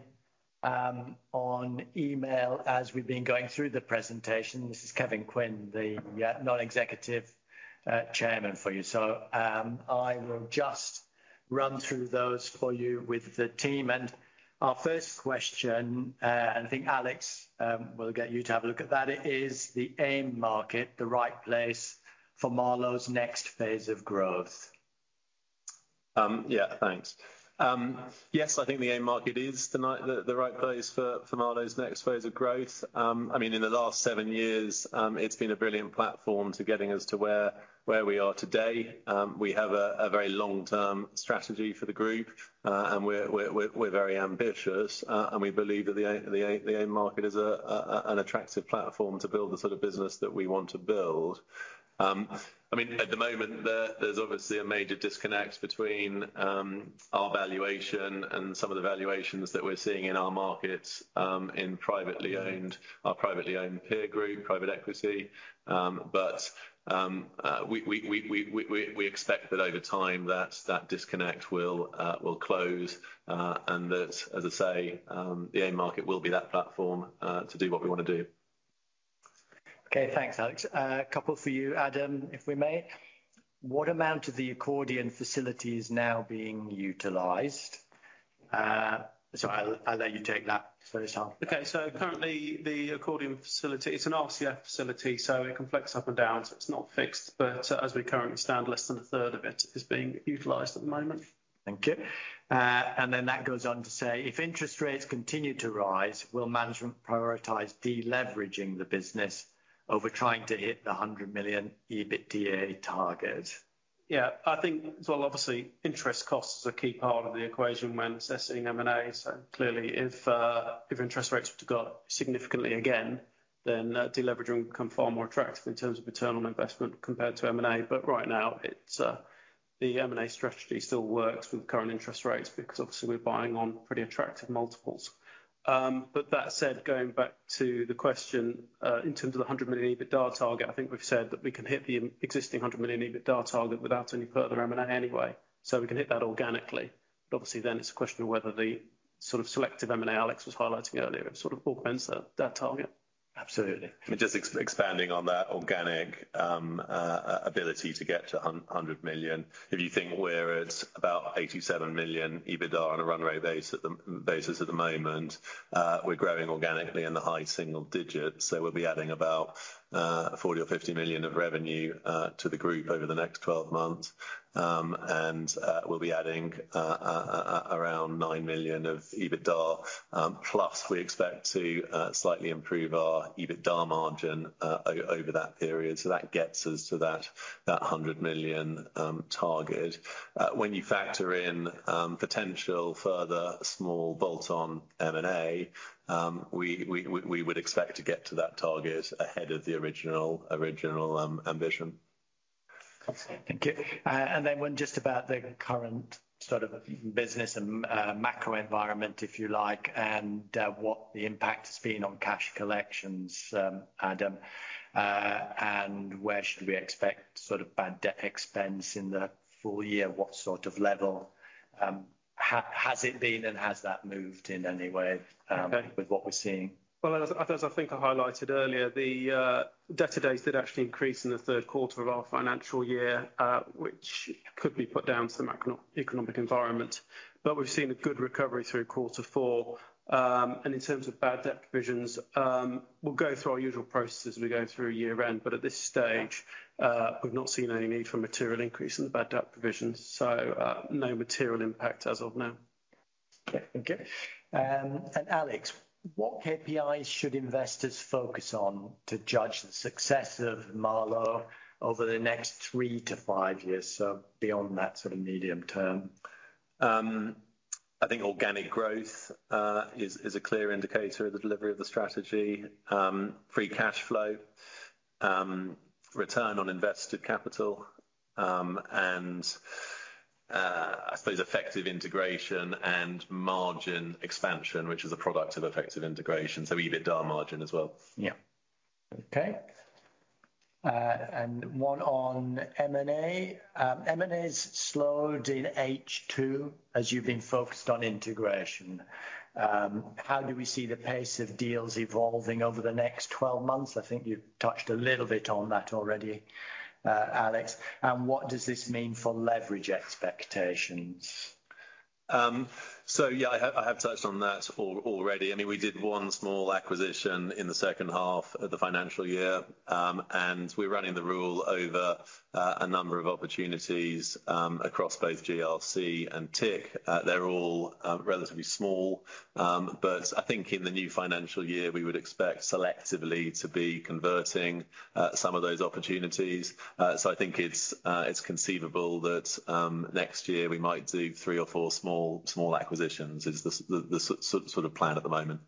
on email as we've been going through the presentation. This is Kevin Quinn, the Non-Executive Chairman for you. I will just run through those for you with the team. Our first question, and I think Alex, we'll get you to have a look at that. Is the AIM market the right place for Marlowe's next phase of growth? Yeah. Thanks. Yes, I think the AIM market is the right place for Marlowe's next phase of growth. I mean, in the last seven years, it's been a brilliant platform to getting us to where we are today. We have a very long-term strategy for the group, and we're very ambitious, and we believe that the AIM market is an attractive platform to build the sort of business that we want to build. I mean, at the moment there's obviously a major disconnect between our valuation and some of the valuations that we're seeing in our markets, in our privately owned peer group, private equity. We expect that over time that that disconnect will close, and that, as I say, the AIM market will be that platform to do what we wanna do. Okay. Thanks, Alex. A couple for you, Adam, if we may. What amount of the accordion facility is now being utilized? I'll let you take that first half. Okay. Currently the accordion facility, it's an RCF facility, so it can flex up and down, so it's not fixed. As we currently stand, less than a third of it is being utilized at the moment. Thank you. That goes on to say, if interest rates continue to rise, will management prioritize deleveraging the business over trying to hit the 100 million EBITDA target? I think. Well, obviously interest cost is a key part of the equation when assessing M&A. Clearly if interest rates were to go up significantly again, then deleveraging would become far more attractive in terms of return on investment compared to M&A. Right now, it's the M&A strategy still works with current interest rates because obviously we're buying on pretty attractive multiples. That said, going back to the question, in terms of the 100 million EBITDA target, I think we've said that we can hit the existing 100 million EBITDA target without any further M&A anyway, so we can hit that organically. Obviously then it's a question of whether the sort of selective M&A Alex was highlighting earlier, it sort of augments that target. Absolutely. Just expanding on that organic ability to get to 100 million. If you think we're at about 87 million EBITDA on a runway basis at the moment, we're growing organically in the high single digits, so we'll be adding about 40 million or 50 million of revenue to the group over the next 12 months. We'll be adding around 9 million of EBITDA, plus we expect to slightly improve our EBITDA margin over that period. That gets us to that 100 million target. When you factor in potential further small bolt-on M&A, we would expect to get to that target ahead of the original ambition. Absolutely. Thank you. Then one just about the current sort of business and macro environment, if you like, and what the impact has been on cash collections, Adam. Where should we expect sort of bad debt expense in the full year? What sort of level has it been, and has that moved in any way with what we're seeing? Well, as I think I highlighted earlier, the debtor days did actually increase in the third quarter of our financial year, which could be put down to the macroeconomic environment. We've seen a good recovery through quarter four. In terms of bad debt provisions, we'll go through our usual processes as we go through year-end. At this stage, we've not seen any need for material increase in the bad debt provisions, no material impact as of now. Okay. Alex, what KPIs should investors focus on to judge the success of Marlowe over the next three to five years, so beyond that sort of medium term? I think organic growth is a clear indicator of the delivery of the strategy. Free cash flow, return on invested capital, and I suppose effective integration and margin expansion, which is a product of effective integration, so EBITDA margin as well. Yeah. Okay. One on M&A. M&A's slowed in H2 as you've been focused on integration. How do we see the pace of deals evolving over the next 12 months? I think you've touched a little bit on that already, Alex. What does this mean for leverage expectations? Yeah, I have touched on that already. I mean, we did 1 small acquisition in the second half of the financial year, and we're running the rule over a number of opportunities across both GRC and TIC. They're all relatively small. I think in the new financial year, we would expect selectively to be converting some of those opportunities. I think it's conceivable that next year we might do three or four small acquisitions, is the sort of plan at the moment.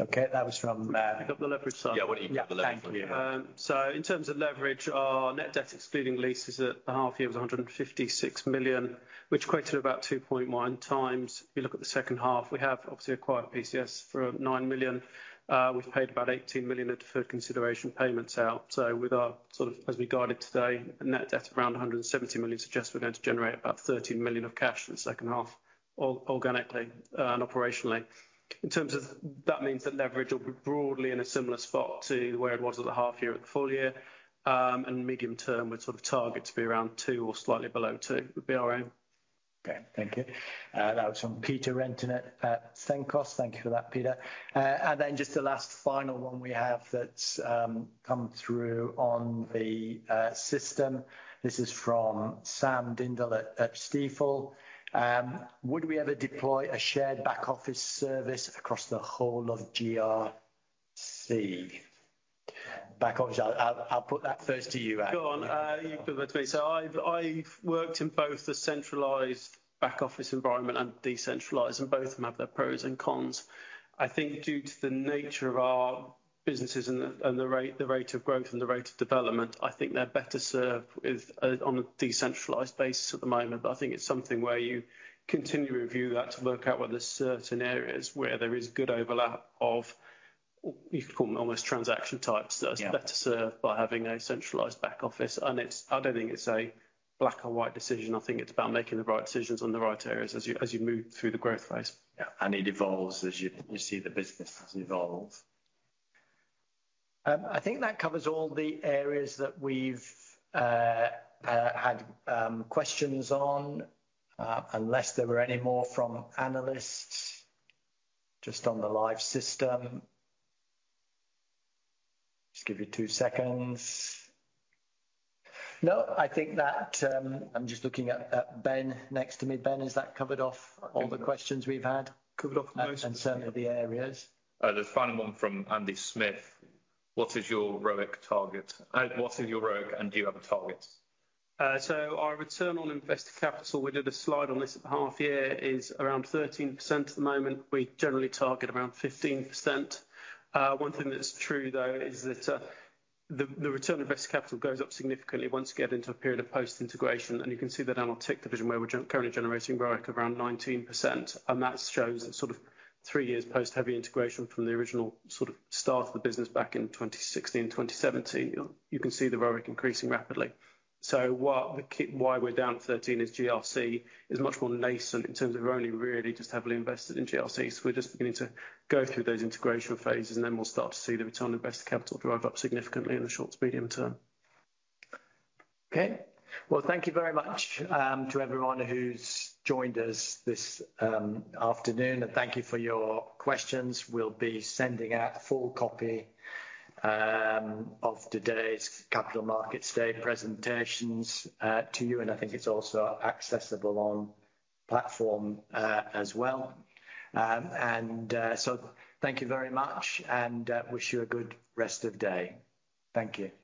Okay. That was from, Can I pick up the leverage side? Yeah. Why don't you get the leverage one, yeah. In terms of leverage, our net debt excluding leases at the half year was 156 million, which equated about 2.1x. If you look at the second half, we have obviously acquired PCS for 9 million. We've paid about 18 million of deferred consideration payments out. With our, sort of as we guided today, a net debt of around 170 million suggests we're going to generate about 13 million of cash in the second half organically and operationally. In terms of that means that leverage will be broadly in a similar spot to where it was at the half year, at the full year. Medium term we're sort of target to be around two or slightly below two would be our aim. Okay. Thank you. That was from Peter Renton at Cenkos. Thank you for that, Peter. Just the last final one we have that's come through on the system. This is from Sam Dindol at Stifel. Would we ever deploy a shared back office service across the whole of GRC? Back office, I'll put that first to you, Alex. Go on. You can put that to me. I've worked in both the centralized back office environment and decentralized, and both of them have their pros and cons. I think due to the nature of our businesses and the rate of growth and the rate of development, I think they're better served with on a decentralized basis at the moment. I think it's something where you continually review that to work out whether certain areas where there is good overlap of, you could call them almost transaction types... Yeah. That are better served by having a centralized back office. It's I don't think it's a black or white decision. I think it's about making the right decisions on the right areas as you, as you move through the growth phase. Yeah. It evolves as you see the businesses evolve. I think that covers all the areas that we've had questions on. Unless there were any more from analysts just on the live system. Just give you two seconds. No, I think that. I'm just looking at Ben next to me. Ben, has that covered off all the questions we've had? Covered off most of them, yeah. Some of the areas. There's one more from Andy Smith. What is your ROIC target? What is your ROIC, and do you have a target? Our return on invested capital, we did a slide on this at the half year, is around 13% at the moment. We generally target around 15%. One thing that's true, though, is that the return on invested capital goes up significantly once you get into a period of post-integration. You can see that on our TIC division where we're currently generating ROIC around 19%. That shows sort of three years post-heavy integration from the original sort of start of the business back in 2016, 2017. You can see the ROIC increasing rapidly. Why we're down at 13 is GRC is much more nascent in terms of we're only really just heavily invested in GRC. We're just beginning to go through those integration phases and then we'll start to see the return on invested capital drive up significantly in the short to medium term. Okay. Well, thank you very much to everyone who's joined us this afternoon and thank you for your questions. We'll be sending out a full copy of today's capital markets day presentations to you, and I think it's also accessible on platform as well. Thank you very much, and wish you a good rest of day. Thank you.